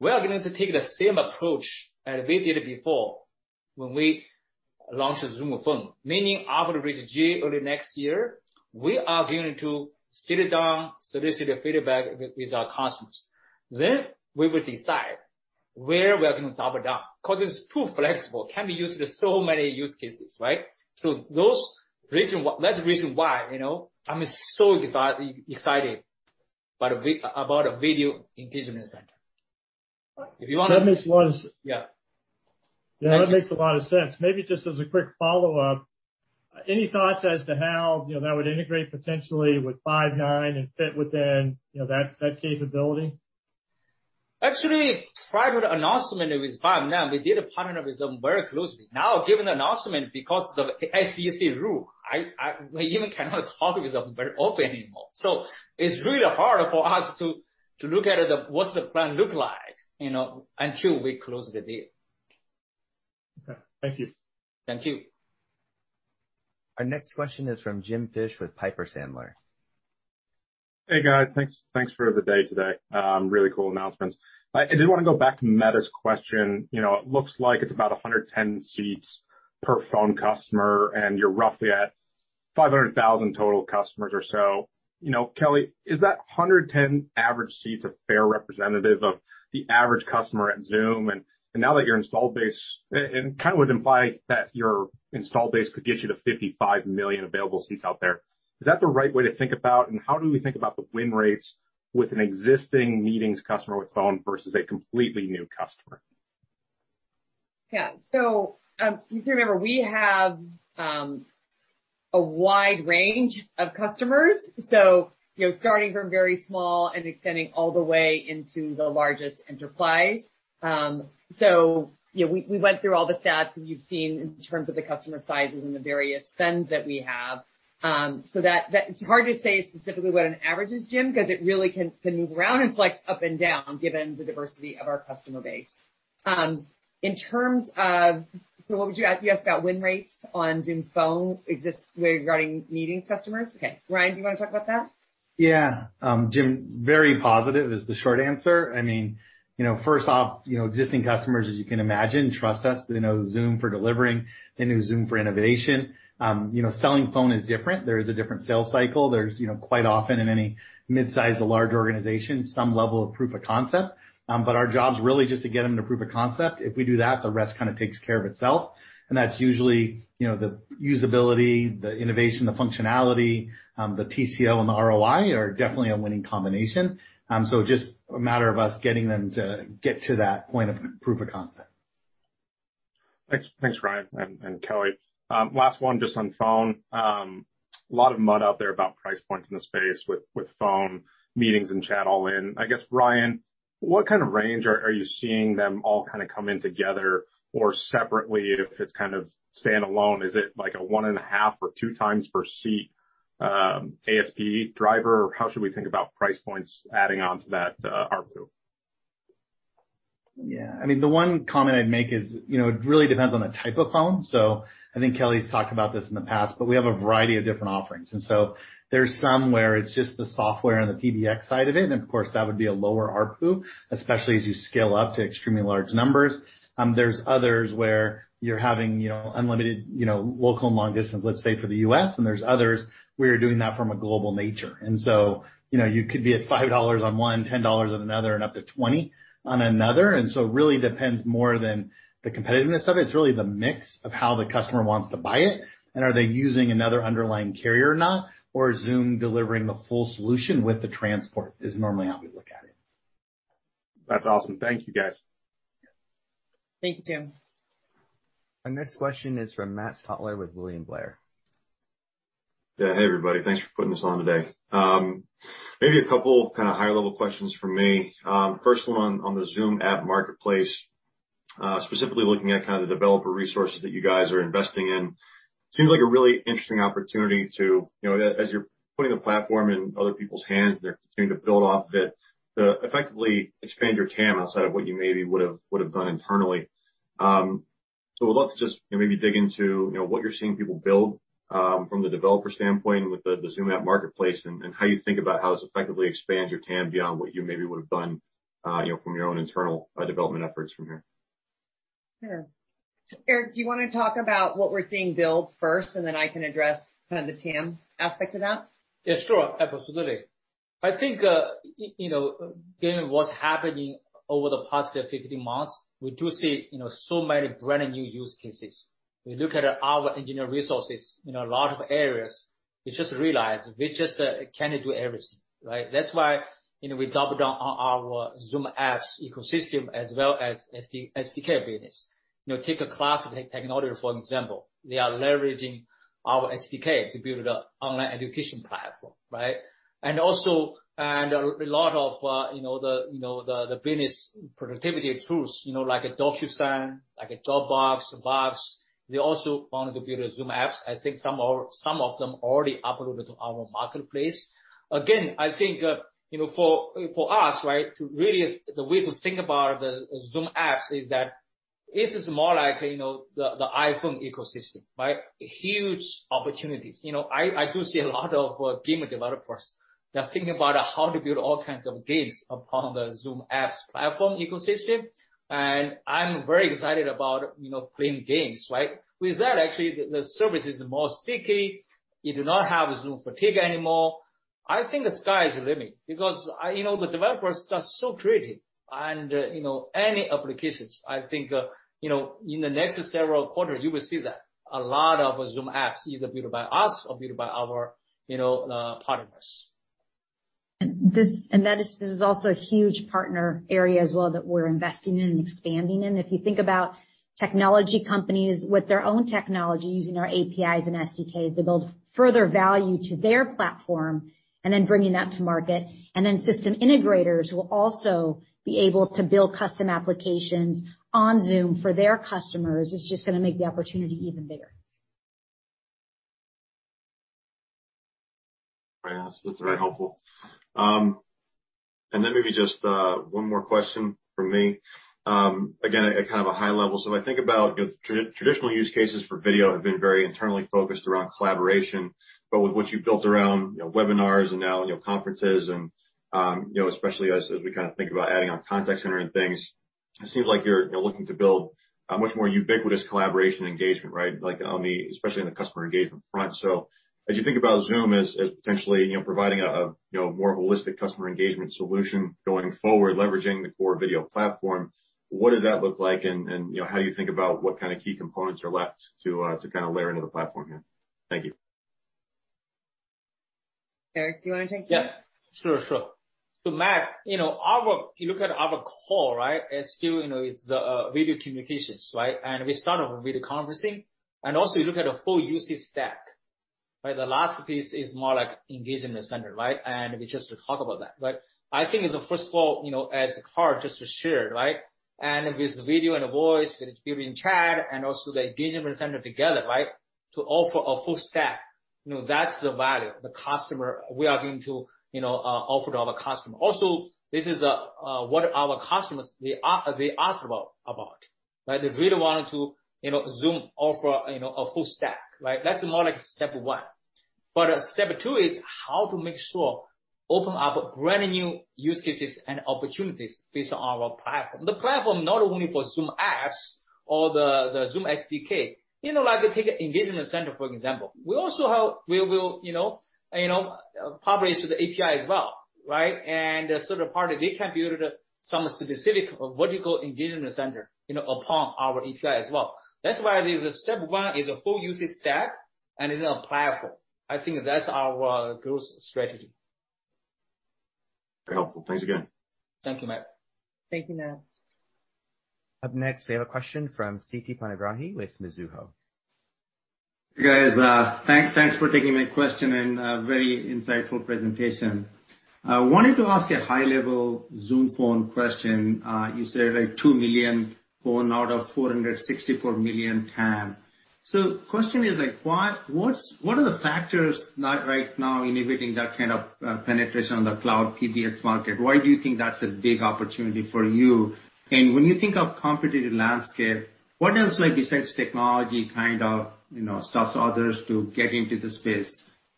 We are going to take the same approach as we did before when we launched Zoom Phone, meaning after we reach GA early next year, we are going to sit down, solicit a feedback with our customers. We will decide where we are going to double down. It's too flexible, can be used as so many use cases, right? That's the reason why I'm so excited about a Video Engagement Center. That makes a lot of- Yeah. Yeah, that makes a lot of sense. Maybe just as a quick follow-up, any thoughts as to how that would integrate potentially with Five9 and fit within that capability? Actually, prior to the announcement with Five9, we did a partnership very closely. Now, given the announcement, because of the FTC rule, we even cannot talk with them very open anymore. It's really hard for us to look at what's the plan look like until we close the deal. Okay. Thank you. Thank you. Our next question is from James Fish with Piper Sandler. Hey, guys. Thanks for the day today. Really cool announcements. I did want to go back to Meta's question. It looks like it's about 110 seats per phone customer, and you're roughly at 500,000 total customers or so. Kelly, is that 110 average seats a fair representative of the average customer at Zoom? Now that your install base would imply that your install base could get you to 55 million available seats out there. Is that the right way to think about, and how do we think about the win rates with an existing meetings customer with Phone versus a completely new customer? If you remember, we have a wide range of customers. Starting from very small and extending all the way into the largest enterprise. We went through all the stats that you've seen in terms of the customer sizes and the various spends that we have. It's hard to say specifically what an average is, Jim, because it really can move around. It's like up and down, given the diversity of our customer base. What would you ask me about win rates on Zoom Phone regarding meetings customers? Okay. Ryan, do you want to talk about that? Yeah. Jim, very positive is the short answer. First off, existing customers, as you can imagine, trust us. They know Zoom for delivering. They know Zoom for innovation. Selling Phone is different. There is a different sales cycle. There is quite often in any mid-size to large organization, some level of proof of concept. Our job's really just to get them to proof of concept. If we do that, the rest kind of takes care of itself. That's usually the usability, the innovation, the functionality, the TCO and the ROI are definitely a winning combination. Just a matter of us getting them to get to that point of proof of concept. Thanks. Thanks, Ryan and Kelly. Last one, just on Zoom Phone. A lot of mud out there about price points in the space with Zoom Phone, Zoom Meetings and Zoom Chat all in. I guess, Ryan, what kind of range are you seeing them all kind of come in together or separately if it's kind of standalone? Is it like a 1.5 or two times per seat ASP driver? How should we think about price points adding on to that ARPU? Yeah. The one comment I'd make is, it really depends on the type of phone. I think Kelly's talked about this in the past, but we have a variety of different offerings. There's some where it's just the software and the PBX side of it, and of course, that would be a lower ARPU, especially as you scale up to extremely large numbers. There's others where you're having unlimited local and long distance, let's say, for the U.S. There's others where you're doing that from a global nature. You could be at $5 on one, $10 on another, and up to $20 on another. It really depends more than the competitiveness of it. It's really the mix of how the customer wants to buy it, and are they using another underlying carrier or not, or Zoom delivering the full solution with the transport, is normally how we look at it. That's awesome. Thank you, guys. Thank you, Tim. Our next question is from Matt Stotler with William Blair. Yeah. Hey, everybody. Thanks for putting this on today. Maybe a couple kind of higher level questions from me. First one on the Zoom App Marketplace, specifically looking at kind of the developer resources that you guys are investing in. Seems like a really interesting opportunity to, as you're putting the platform in other people's hands, and they're continuing to build off it, to effectively expand your TAM outside of what you maybe would've done internally. Let's just maybe dig into what you're seeing people build from the developer standpoint and with the Zoom App Marketplace, and how you think about how this effectively expands your TAM beyond what you maybe would've done from your own internal development efforts from here. Sure. Eric, do you want to talk about what we're seeing built first, and then I can address kind of the TAM aspect of that? Yeah, sure. Absolutely. I think given what's happening over the past 15 months, we do see so many brand new use cases. We look at our engineer resources in a lot of areas. We just realized we just can't do everything, right? That's why we doubled down on our Zoom Apps ecosystem as well as SDK business. Take Class Technologies, for example. They are leveraging our SDK to build an online education platform, right? A lot of the business productivity tools, like a DocuSign, like a Dropbox, they also wanted to build Zoom Apps. I think some of them already uploaded to our marketplace. I think for us, right, really the way to think about the Zoom Apps is that this is more like the iPhone ecosystem, right? Huge opportunities. I do see a lot of game developers that are thinking about how to build all kinds of games upon the Zoom Apps platform ecosystem, and I'm very excited about playing games, right? With that, actually, the service is more sticky. You do not have Zoom fatigue anymore. I think the sky is the limit because the developers are so creative. Any applications, I think in the next several quarters, you will see that a lot of Zoom Apps either built by us or built by our partners. That is also a huge partner area as well that we're investing in and expanding in. If you think about technology companies with their own technology using our APIs and SDKs to build further value to their platform and then bringing that to market, system integrators will also be able to build custom applications on Zoom for their customers. It's just going to make the opportunity even bigger. Yes, that's very helpful. Maybe just one more question from me. Again, at kind of a high level. When I think about traditional use cases for video have been very internally focused around collaboration, but with what you've built around webinars and now conferences and especially as we kind of think about adding on contact center and things, it seems like you're looking to build a much more ubiquitous collaboration engagement, right? Especially on the customer engagement front. As you think about Zoom as potentially providing a more holistic customer engagement solution going forward, leveraging the core video platform, what does that look like and how do you think about what kind of key components are left to kind of layer into the platform here? Thank you. Eric, do you want to take that? Yeah, sure. Matt, you look at our core, it still is video communications. We started with video conferencing, and also you look at the full usage stack. The last piece is more like engagement center. We just talk about that. I think first of all, as Carl just shared. With video and voice and its built-in chat and also the engagement center together, to offer a full stack, that's the value we are going to offer to our customer. This is what our customers ask about. They really want Zoom offer a full stack. That's more like step one. Step two is how to make sure open up brand new use cases and opportunities based on our platform. The platform not only for Zoom Apps or the Zoom SDK. Like take engagement center, for example. We also will publish the API as well, right? Third-party, they can build some specific vertical engagement center upon our API as well. That's why step one is a full usage stack and is on platform. I think that's our growth strategy. Very helpful. Thanks again. Thank you, Matt. Thank you, Matt. Up next, we have a question from Siti Panigrahi with Mizuho. Hey, guys. Thanks for taking my question and a very insightful presentation. I wanted to ask a high-level Zoom Phone question. You said 2 million phone out of 464 million TAM. Question is, what are the factors not right now inhibiting that kind of penetration on the cloud PBX market? Why do you think that's a big opportunity for you? When you think of competitive landscape, what else, besides technology, kind of stops others to get into the space?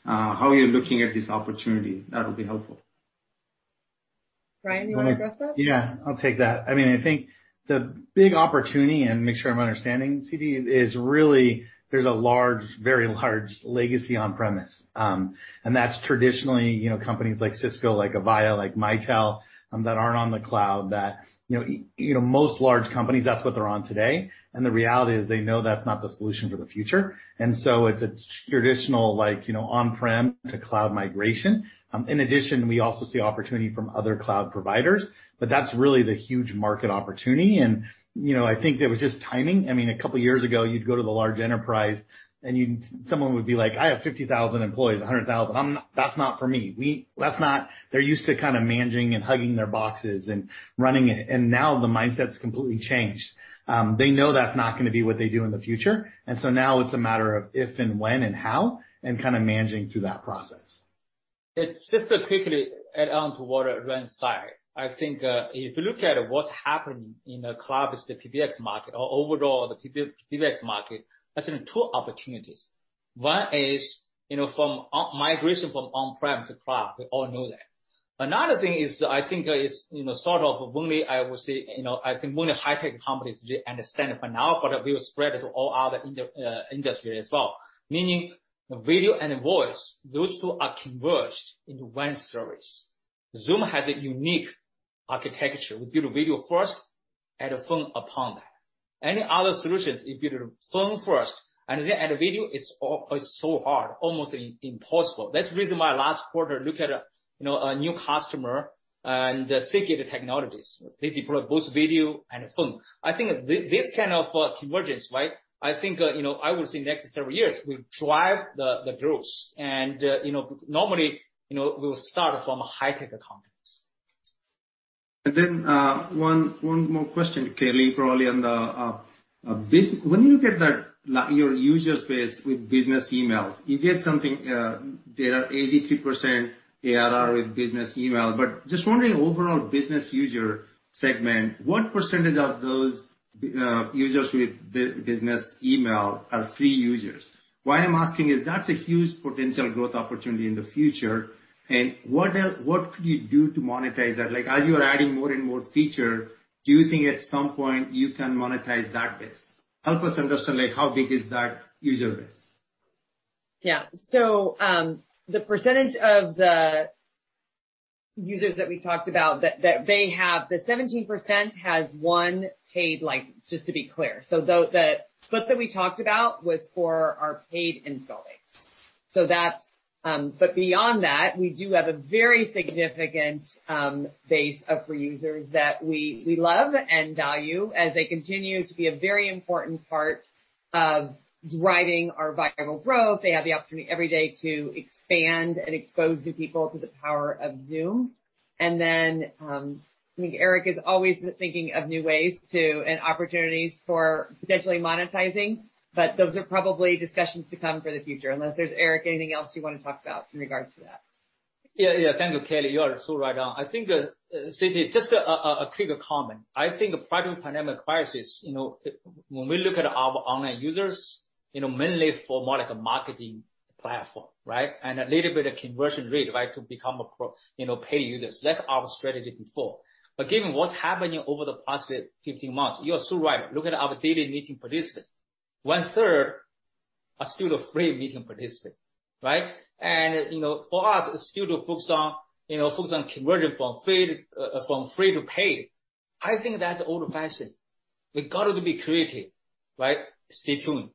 How are you looking at this opportunity? That'll be helpful. Ryan, you want to address that? Yeah, I'll take that. I think the big opportunity, and make sure I'm understanding, Siti, is really there's a very large legacy on-premise. That's traditionally companies like Cisco, like Avaya, like Mitel, that aren't on the cloud. Most large companies, that's what they're on today, and the reality is they know that's not the solution for the future. It's a traditional on-prem to cloud migration. In addition, we also see opportunity from other cloud providers, but that's really the huge market opportunity, and I think that was just timing. A couple years ago, you'd go to the large enterprise and someone would be like, "I have 50,000 employees, 100,000. That's not for me." They're used to kind of managing and hugging their boxes and running it, and now the mindset's completely changed. They know that's not going to be what they do in the future, and so now it's a matter of if and when and how, and kind of managing through that process. Just to quickly add on to what Ryan said. I think if you look at what's happening in the cloud, the PBX market or overall the PBX market, I see two opportunities. One is from migration from on-prem to cloud. We all know that. Another thing is, I think, only high-tech companies really understand it for now, but we will spread it to all other industry as well, meaning video and voice, those two are converged into one service. Zoom has a unique architecture. We build video first and phone upon that. Any other solutions, if you do phone first and then add video, it's so hard, almost impossible. That's the reason why last quarter look at a new customer and Seagate Technology, they deploy both video and phone. I think this kind of convergence, I think I would say next several years will drive the growth. Normally we'll start from high-tech companies. One more question, Kelly, probably on the business. When you look at your user space with business emails, you get something there are 83% ARR with business emails. Just wondering overall business user segment, what percentage of those users with business email are free users? I'm asking is that's a huge potential growth opportunity in the future. What could you do to monetize that? You are adding more and more feature, do you think at some point you can monetize that base? Help us understand how big is that user base. The percentage of the users that we talked about, the 17% has one paid license, just to be clear. The split that we talked about was for our paid install base. Beyond that, we do have a very significant base of free users that we love and value as they continue to be a very important part of driving our viral growth. They have the opportunity every day to expand and expose new people to the power of Zoom. Then, I think Eric has always been thinking of new ways to and opportunities for potentially monetizing. Those are probably discussions to come for the future, unless there's, Eric, anything else you want to talk about in regards to that? Yeah. Thank you, Kelly. I think, Siti, just a quick comment. I think prior to pandemic crisis, when we look at our online users, mainly for more like a marketing platform, right? A little bit of conversion rate to become pay users. That's our strategy before. Given what's happening over the past 15 months, you are so right. Look at our daily meeting participants. 1/3 are still free meeting participants, right? For us, still to focus on conversion from free to paid, I think that's old fashioned. We got to be creative, right? Stay tuned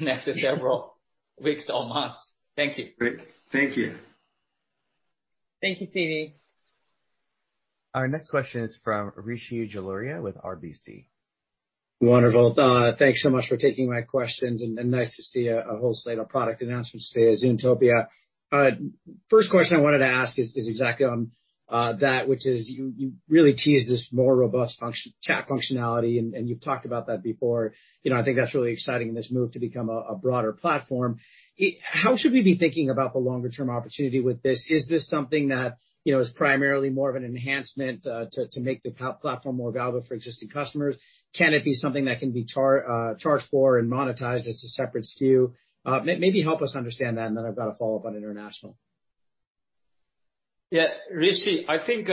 next several weeks or months. Thank you. Great. Thank you. Thank you, Siti. Our next question is from Rishi Jaluria with RBC. Wonderful. Thanks so much for taking my questions, nice to see a whole slate of product announcements today at Zoomtopia. First question I wanted to ask is exactly on that, which is you really teased this more robust chat functionality, and you've talked about that before. I think that's really exciting, this move to become a broader platform. How should we be thinking about the longer term opportunity with this? Is this something that is primarily more of an enhancement to make the platform more valuable for existing customers? Can it be something that can be charged for and monetized as a separate SKU? Maybe help us understand that, and then I've got a follow-up on international. Yeah. Rishi, I think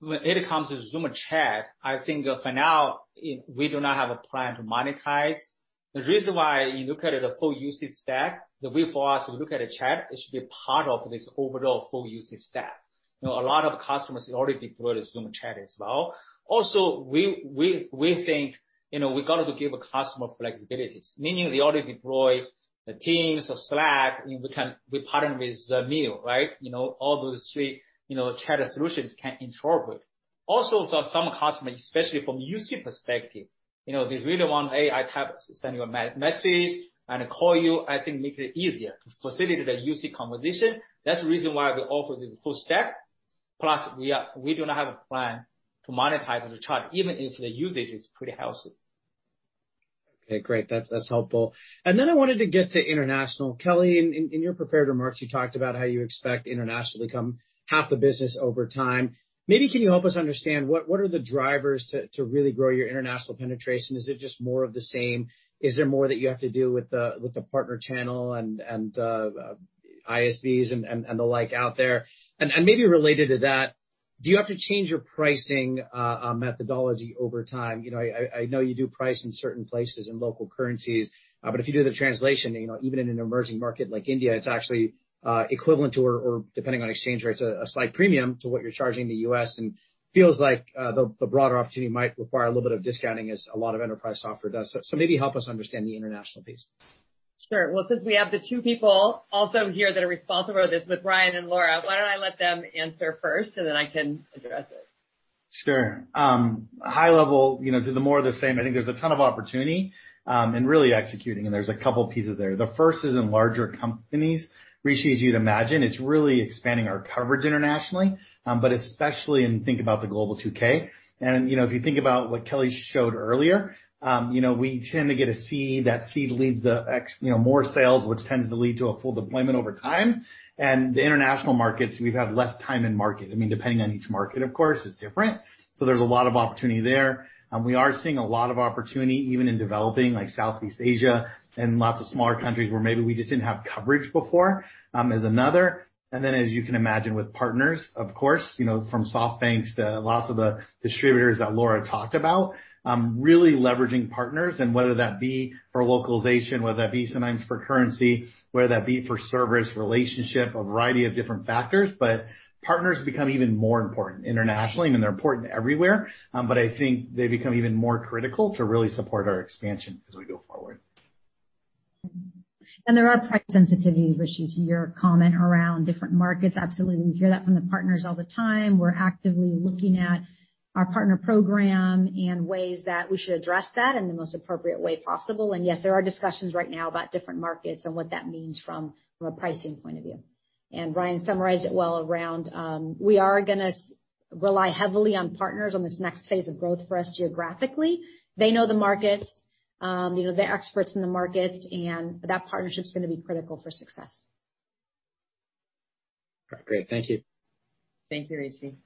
when it comes to Zoom Chat, I think for now, we do not have a plan to monetize. The reason why you look at the full usage stack, the way for us to look at a chat, it should be a part of this overall full usage stack. A lot of customers already deployed Zoom Chat as well. Also, we think we got to give a customer flexibilities, meaning they already deploy Teams or Slack, we partner with Mio, right? All those three chat solutions can interoperate. Also, some customers, especially from a UC perspective, they really want AI to send you a message and call you, I think makes it easier to facilitate a UC conversation. That's the reason why we offer this full stack. Plus, we do not have a plan to monetize the Chat, even if the usage is pretty healthy. Okay, great. That's helpful. I wanted to get to international. Kelly, in your prepared remarks, you talked about how you expect international to become half the business over time. Can you help us understand what are the drivers to really grow your international penetration? Is it just more of the same? Is there more that you have to do with the partner channel and ISVs and the like out there? Related to that, do you have to change your pricing methodology over time? I know you do price in certain places in local currencies. If you do the translation, even in an emerging market like India, it's actually equivalent or, depending on exchange rates, a slight premium to what you're charging the U.S. Feels like the broader opportunity might require a little bit of discounting, as a lot of enterprise software does. Maybe help us understand the international piece. Well, since we have the two people also here that are responsible for this with Ryan and Laura, why don't I let them answer first, and then I can address it. Sure. High level, to the more of the same, I think there's a ton of opportunity, and really executing, and there's a couple pieces there. The first is in larger companies. Rishi, as you'd imagine, it's really expanding our coverage internationally. Especially in thinking about the Global 2K, and if you think about what Kelly showed earlier, we tend to get a seed. That seed leads to more sales, which tends to lead to a full deployment over time. The international markets, we've had less time in market. Depending on each market, of course, it's different. There's a lot of opportunity there. We are seeing a lot of opportunity, even in developing, like Southeast Asia and lots of smaller countries where maybe we just didn't have coverage before, is another. Then, as you can imagine, with partners, of course, from SoftBank to lots of the distributors that Laura talked about, really leveraging partners and whether that be for localization, whether that be sometimes for currency, whether that be for service relationship, a variety of different factors. Partners become even more important internationally. They're important everywhere, but I think they become even more critical to really support our expansion as we go forward. There are price sensitivities, Rishi, to your comment around different markets. Absolutely. We hear that from the partners all the time. We're actively looking at our partner program and ways that we should address that in the most appropriate way possible. Yes, there are discussions right now about different markets and what that means from a pricing point of view. Ryan summarized it well around, we are going to rely heavily on partners on this next phase of growth for us geographically. They know the markets, they're experts in the markets, and that partnership's going to be critical for success. Great. Thank you. Thank you, Rishi.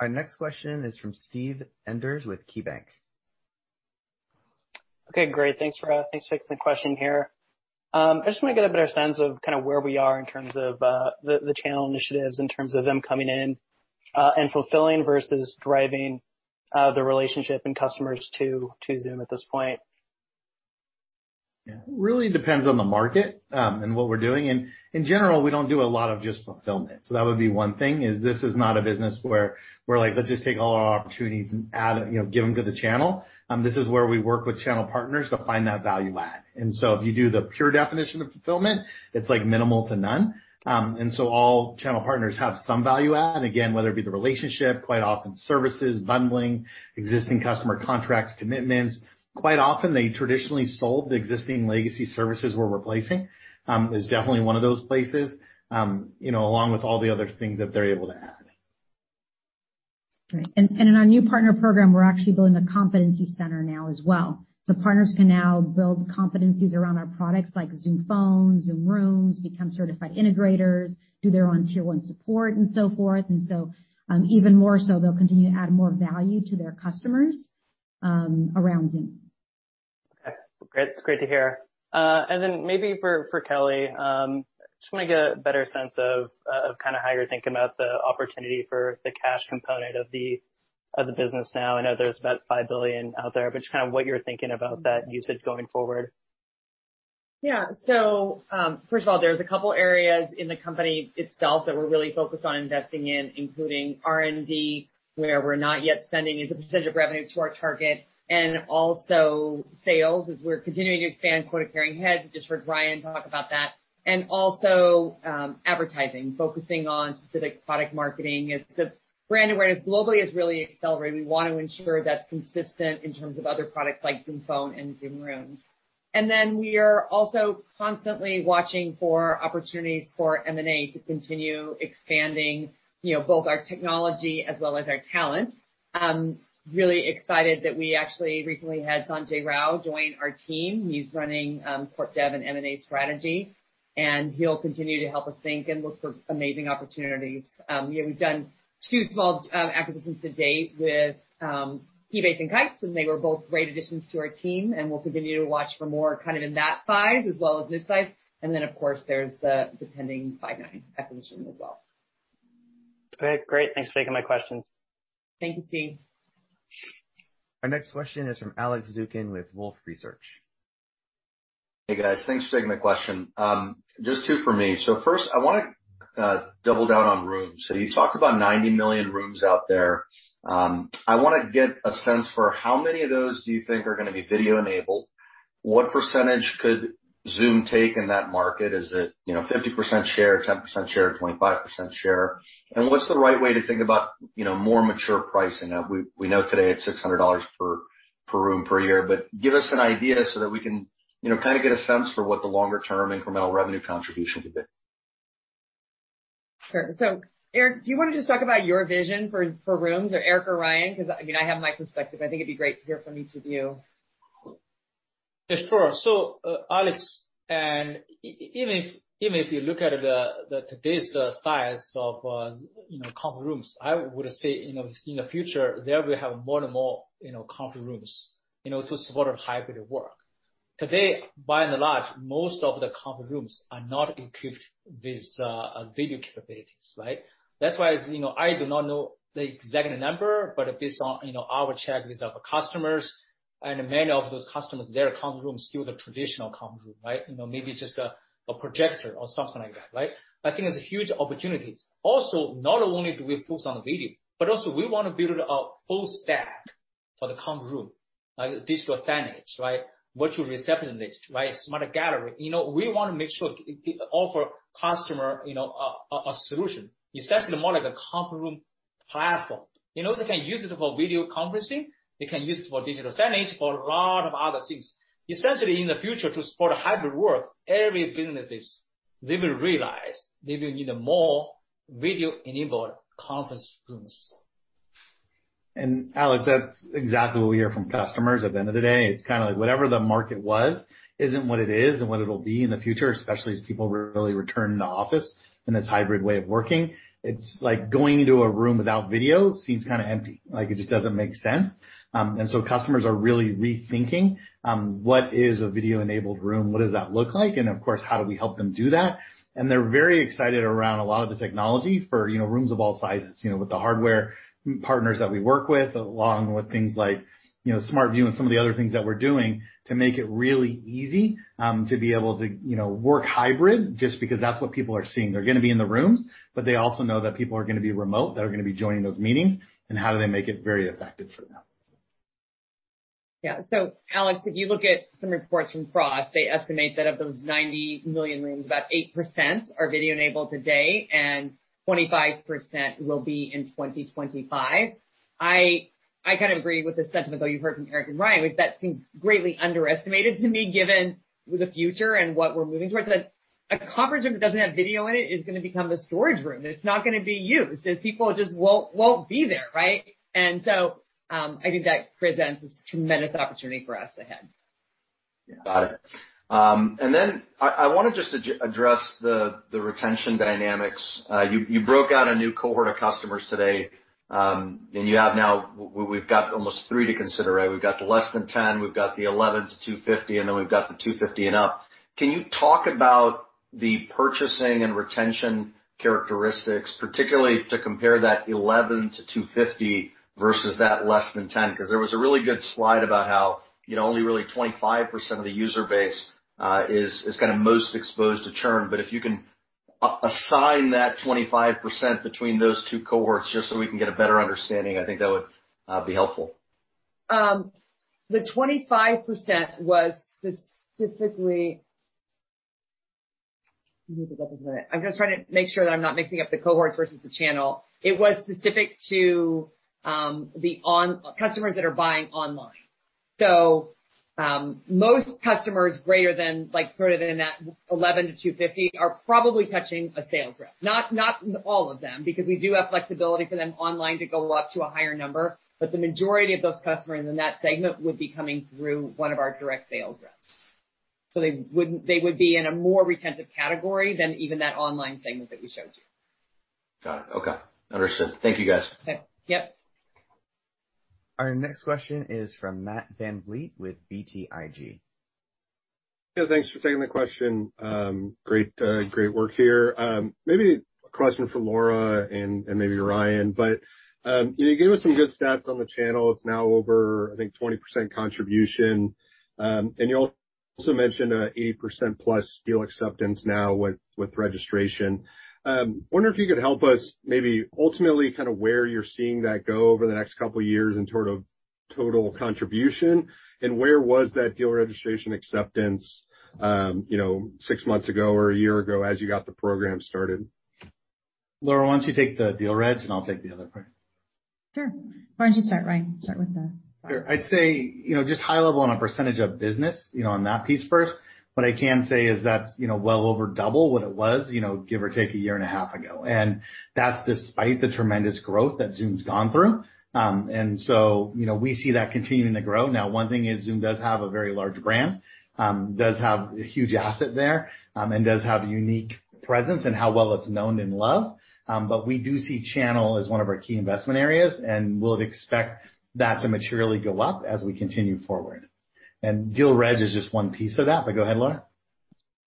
Our next question is from Steven Enders with KeyBanc. Okay, great. Thanks for taking the question here. I just want to get a better sense of where we are in terms of the channel initiatives, in terms of them coming in and fulfilling versus driving the relationship and customers to Zoom at this point. Yeah. Really depends on the market and what we're doing. In general, we don't do a lot of just fulfillment. That would be one thing, is this is not a business where we're like, "Let's just take all our opportunities and give them to the channel." This is where we work with channel partners to find that value add. If you do the pure definition of fulfillment, it's minimal to none. All channel partners have some value add. Again, whether it be the relationship, quite often services, bundling, existing customer contracts, commitments. Quite often, they traditionally sold the existing legacy services we're replacing, is definitely one of those places, along with all the other things that they're able to add. Great. In our new partner program, we're actually building a competency center now as well. Partners can now build competencies around our products like Zoom Phone, Zoom Rooms, become certified integrators, do their own tier one support and so forth. Even more so, they'll continue to add more value to their customers around Zoom. Okay. Great to hear. Maybe for Kelly, just want to get a better sense of how you're thinking about the opportunity for the cash component of the business now. I know there's about $5 billion out there. Just what you're thinking about that usage going forward. First of all, there's a couple areas in the company itself that we're really focused on investing in, including R&D, where we're not yet spending as a percentage of revenue to our target. Also sales, as we're continuing to expand quota-carrying heads. We just heard Ryan talk about that. Also advertising, focusing on specific product marketing. As the brand awareness globally has really accelerated, we want to ensure that's consistent in terms of other products like Zoom Phone and Zoom Rooms. Then we are also constantly watching for opportunities for M&A to continue expanding both our technology as well as our talent. Really excited that we actually recently had Sanjay Rao join our team. He's running corp dev and M&A strategy, and he'll continue to help us think and look for amazing opportunities. We've done two small acquisitions to date with Keybase and Kites, and they were both great additions to our team and we'll continue to watch for more in that size as well as mid-size. Then, of course, there's the pending Five9 acquisition as well. Okay, great. Thanks for taking my questions. Thank you, Steve. Our next question is from Alex Zukin with Wolfe Research. Hey, guys. Thanks for taking the question. Just two for me. First, I want to double down on Rooms. You talked about 90 million rooms out there. I want to get a sense for how many of those do you think are going to be video enabled? What percentage could Zoom take in that market? Is it 50% share, 10% share, 25% share? What's the right way to think about more mature pricing? We know today it's $600 per room per year, but give us an idea so that we can get a sense for what the longer-term incremental revenue contribution could be. Sure. Eric, do you want to just talk about your vision for Zoom Rooms, or Eric or Ryan? I have my perspective. I think it'd be great to hear from each of you. Yes, sure. Alex, and even if you look at today's size of conference rooms, I would say, in the future, there we have more and more conference rooms to support hybrid work. Today, by and large, most of the conference rooms are not equipped with video capabilities, right? That's why I do not know the exact number, but based on our check with our customers, and many of those customers, their conference room is still the traditional conference room, right? Maybe just a projector or something like that, right? I think it's a huge opportunity. Not only do we focus on video, but also we want to build a full stack for the conference room, like Digital Signage, right? Virtual receptionist, right? Smart Gallery. We want to make sure offer customer a solution. Essentially more like a conference room platform. They can use it for video conferencing. They can use it for Digital Signage, for a lot of other things. Essentially, in the future, to support hybrid work, every business, they will realize they will need a more video-enabled conference rooms. Alex, that's exactly what we hear from customers. At the end of the day, it's kind of like whatever the market was isn't what it is and what it'll be in the future, especially as people really return to office in this hybrid way of working. It's like going into a room without video seems kind of empty. Like, it just doesn't make sense. Customers are really rethinking, what is a video-enabled room? What does that look like? Of course, how do we help them do that? They're very excited around a lot of the technology for rooms of all sizes with the hardware partners that we work with, along with things like Smart Gallery and some of the other things that we're doing to make it really easy to be able to work hybrid, just because that's what people are seeing. They're going to be in the rooms, but they also know that people are going to be remote, that are going to be joining those meetings, and how do they make it very effective for them? Yeah. Alex, if you look at some reports from Frost, they estimate that of those 90 million rooms, about 8% are video-enabled today, and 25% will be in 2025. I kind of agree with the sentiment, though, you've heard from Eric and Ryan. That seems greatly underestimated to me given the future and what we're moving towards, that a conference room that doesn't have video in it is going to become a storage room. It's not going to be used, as people just won't be there, right? I think that presents this tremendous opportunity for us ahead. Yeah. Got it. I want to just address the retention dynamics. You broke out a new cohort of customers today, and you have now, we've got almost three to consider, right? We've got the less than 10, we've got the 11 to 250, and then we've got the 250 and up. Can you talk about the purchasing and retention characteristics, particularly to compare that 11 to 250 versus that less than 10? There was a really good slide about how only really 25% of the user base is kind of most exposed to churn. If you can assign that 25% between those two cohorts, just so we can get a better understanding, I think that would be helpful. The 25% was specifically. Give me a couple minutes. I am just trying to make sure that I am not mixing up the cohorts versus the channel. It was specific to customers that are buying online. Most customers greater than that 11-250 are probably touching a sales rep. Not all of them, because we do have flexibility for them online to go up to a higher number. The majority of those customers in that segment would be coming through one of our direct sales reps. They would be in a more retentive category than even that online segment that we showed you. Got it. Okay. Understood. Thank you, guys. Okay. Yep. Our next question is from Matt Van Vliet with BTIG. Yeah, thanks for taking the question. Great work here. Maybe a question for Laura and maybe Ryan. You gave us some good stats on the channel. It's now over, I think, 20% contribution. You also mentioned an 80%+ deal acceptance now with registration. I wonder if you could help us maybe ultimately kind of where you're seeing that go over the next couple of years in sort of total contribution, and where was that deal registration acceptance six months ago or one year ago as you got the program started? Laura, why don't you take the deal regs, and I'll take the other part. Sure. Why don't you start, Ryan? Sure. I'd say, just high level on a percentage of business, on that piece first, what I can say is that's well over double what it was give or take one year and a half ago. That's despite the tremendous growth that Zoom's gone through. We see that continuing to grow. Now, one thing is Zoom does have a very large brand, does have a huge asset there, and does have a unique presence in how well it's known and loved. We do see channel as one of our key investment areas, and we'll expect that to materially go up as we continue forward. Deal reg is just one piece of that, but go ahead, Laura.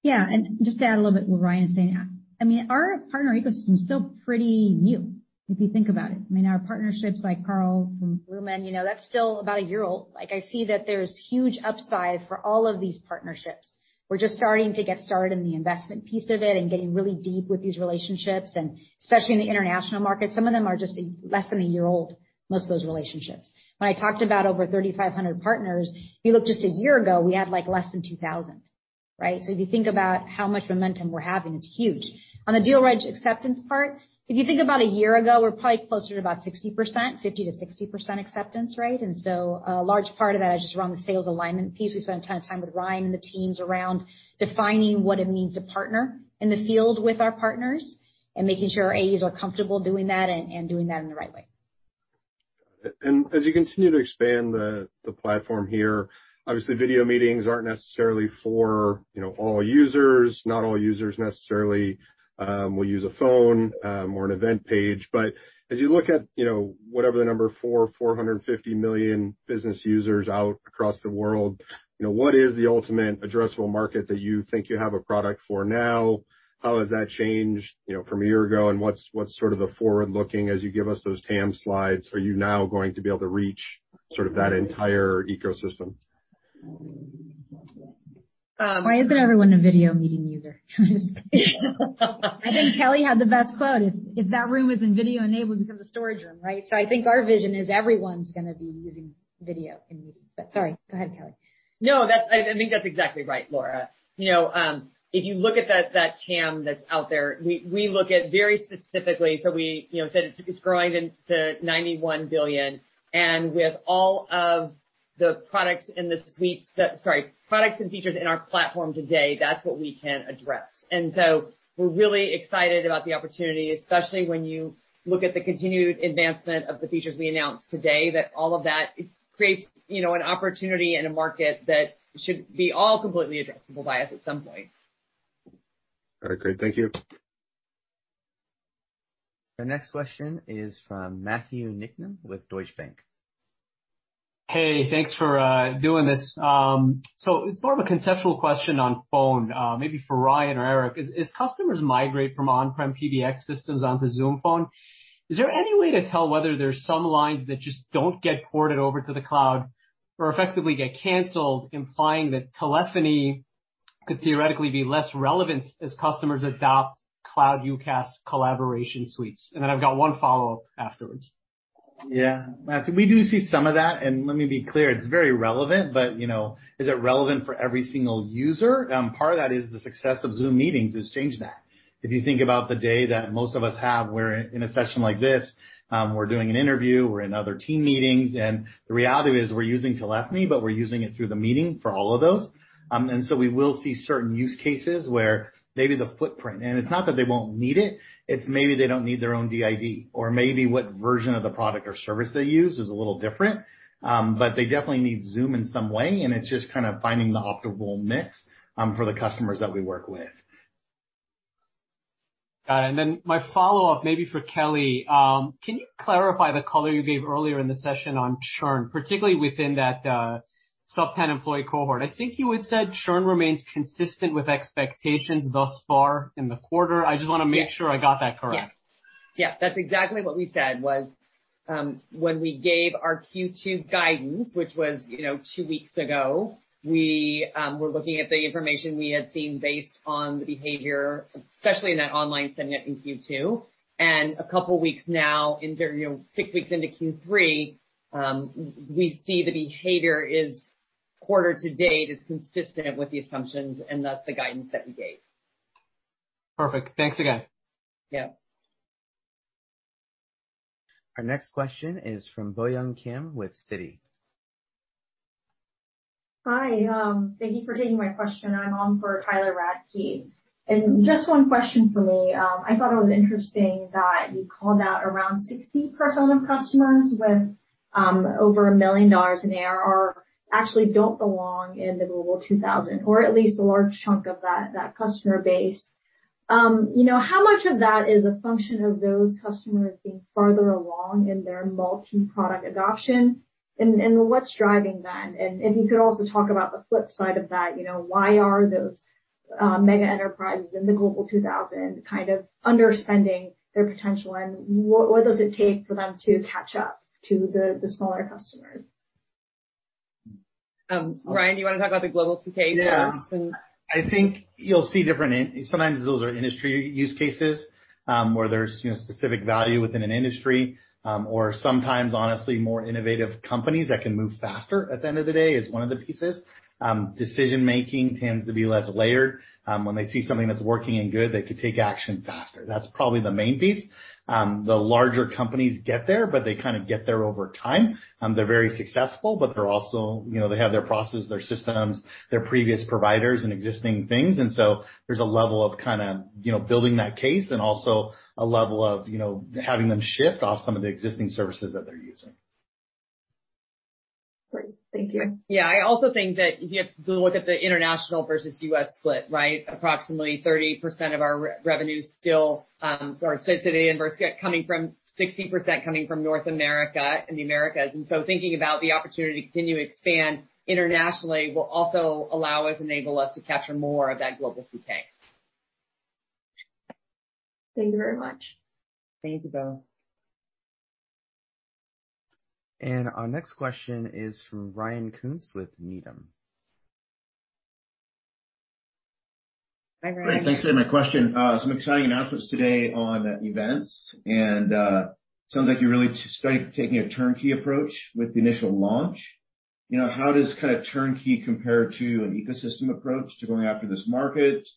Yeah. Just to add a little bit what Ryan is saying. Our partner ecosystem is still pretty new, if you think about it. Our partnerships like Carl from Lumen, that is still about a year old. I see that there is huge upside for all of these partnerships. We are just starting to get started in the investment piece of it and getting really deep with these relationships, and especially in the international markets, some of them are just less than a year old, most of those relationships. When I talked about over 3,500 partners, if you look just a year ago, we had less than 2,000. If you think about how much momentum we are having, it is huge. On the deal acceptance part, if you think about a year ago, we're probably closer to about 60%, 50%-60% acceptance rate, a large part of that is just around the sales alignment piece. We spent a ton of time with Ryan and the teams around defining what it means to partner in the field with our partners and making sure our AEs are comfortable doing that and doing that in the right way. As you continue to expand the platform here, obviously video meetings aren't necessarily for all users, not all users necessarily will use a phone or an event page, but as you look at whatever the number, 400 or 450 million business users out across the world, what is the ultimate addressable market that you think you have a product for now? How has that changed from a year ago, and what's sort of the forward-looking as you give us those TAM slides? Are you now going to be able to reach sort of that entire ecosystem? Why isn't everyone a video meeting user? I think Kelly had the best quote. If that room isn't video enabled, it becomes a storage room. I think our vision is everyone's going to be using video in meetings. Sorry, go ahead, Kelly. No, I think that's exactly right, Laura. If you look at that TAM that's out there, we look at very specifically, we said it's growing to $91 billion, with all of the products and features in our platform today, that's what we can address. We're really excited about the opportunity, especially when you look at the continued advancement of the features we announced today, that all of that creates an opportunity and a market that should be all completely addressable by us at some point. All right, great. Thank you. The next question is from Matthew Niknam with Deutsche Bank. Hey, thanks for doing this. It's more of a conceptual question on Phone, maybe for Ryan or Eric. As customers migrate from on-prem PBX systems onto Zoom Phone, is there any way to tell whether there's some lines that just don't get ported over to the cloud or effectively get canceled, implying that telephony could theoretically be less relevant as customers adopt cloud UCaaS collaboration suites? I've got one follow-up afterwards. Matthew, we do see some of that. Let me be clear, it's very relevant. Is it relevant for every single user? Part of that is the success of Zoom Meetings has changed that. If you think about the day that most of us have, we're in a session like this, we're doing an interview, we're in other team meetings, and the reality is we're using telephony, but we're using it through the meeting for all of those. We will see certain use cases where maybe the footprint, and it's not that they won't need it's maybe they don't need their own DID, or maybe what version of the product or service they use is a little different. They definitely need Zoom in some way, and it's just kind of finding the optimal mix for the customers that we work with. Got it. My follow-up, maybe for Kelly. Can you clarify the color you gave earlier in the session on churn, particularly within that sub 10 employee cohort? I think you had said churn remains consistent with expectations thus far in the quarter. I just want to make sure I got that correct. Yes. That's exactly what we said was, when we gave our Q2 guidance, which was two weeks ago, we were looking at the information we had seen based on the behavior, especially in that online segment in Q2. A couple of weeks now, six weeks into Q3, we see the behavior is quarter to date is consistent with the assumptions, and thus the guidance that we gave. Perfect. Thanks again. Yeah. Our next question is from Boyoung Kim with Citi. Hi. Thank you for taking my question. I am on for Tyler Radke. Just one question for me. I thought it was interesting that you called out around 60% of customers with over $1 million in ARR actually don't belong in the Global 2000, or at least a large chunk of that customer base. How much of that is a function of those customers being further along in their multi-product adoption, and what is driving that? If you could also talk about the flip side of that, why are those mega enterprises in the Global 2000 kind of underspending their potential, and what does it take for them to catch up to the smaller customers? Ryan, you want to talk about the Global 2K first? Yeah. I think you'll see different, sometimes those are industry use cases, where there's specific value within an industry. Sometimes, honestly, more innovative companies that can move faster at the end of the day is one of the pieces. Decision-making tends to be less layered. When they see something that's working and good, they could take action faster. That's probably the main piece. The larger companies get there, but they kind of get there over time. They're very successful, but they have their processes, their systems, their previous providers and existing things, there's a level of kind of building that case and also a level of having them shift off some of the existing services that they're using. Great. Thank you. Yeah, I also think that if you have to look at the international versus U.S. split, approximately 30% of our revenue still, or sorry, 60% coming from North America and the Americas. Thinking about the opportunity to continue to expand internationally will also allow us, enable us to capture more of that Global 2K. Thank you very much. Thank you, Bo. Our next question is from Ryan Koontz with Needham. Hi, Ryan. Great. Thanks. My question, some exciting announcements today on events, sounds like you're really starting taking a turnkey approach with the initial launch. How does turnkey compare to an ecosystem approach to going after this market?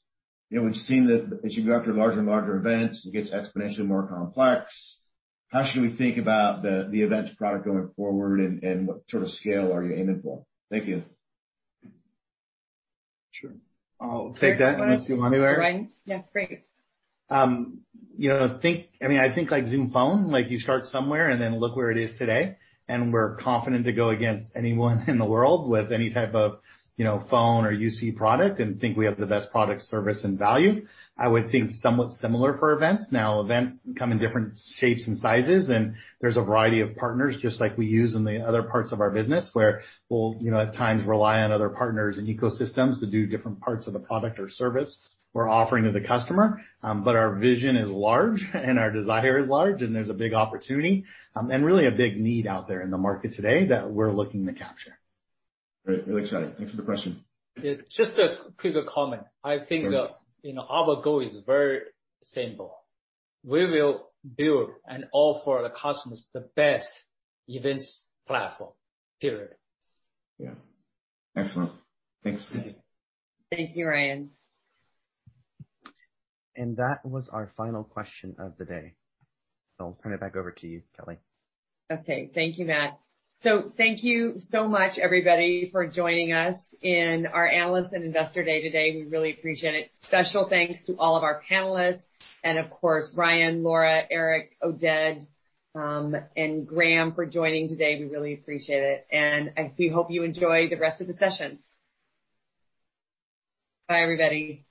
We've seen that as you go after larger and larger events, it gets exponentially more complex. How should we think about the events product going forward, what sort of scale are you aiming for? Thank you. Sure. I'll take that unless you want to, Eric. Yeah, great. I think like Zoom Phone, you start somewhere and then look where it is today. We're confident to go against anyone in the world with any type of phone or UC product and think we have the best product, service, and value. I would think somewhat similar for events. Events come in different shapes and sizes, and there's a variety of partners, just like we use in the other parts of our business, where we'll, at times, rely on other partners and ecosystems to do different parts of the product or service we're offering to the customer. Our vision is large and our desire is large, and there's a big opportunity, and really a big need out there in the market today that we're looking to capture. Great. Really exciting. Thanks for the question. Just a quick comment. I think our goal is very simple. We will build and offer the customers the best events platform, period. Yeah. Excellent. Thanks. Thank you. Thank you, Ryan. That was our final question of the day. I'll turn it back over to you, Kelly. Okay. Thank you, Matt. Thank you so much, everybody, for joining us in our Analyst and Investor Day today. We really appreciate it. Special thanks to all of our panelists, and of course, Ryan, Laura, Eric, Oded, and Graeme for joining today. We really appreciate it, and we hope you enjoy the rest of the session. Bye, everybody.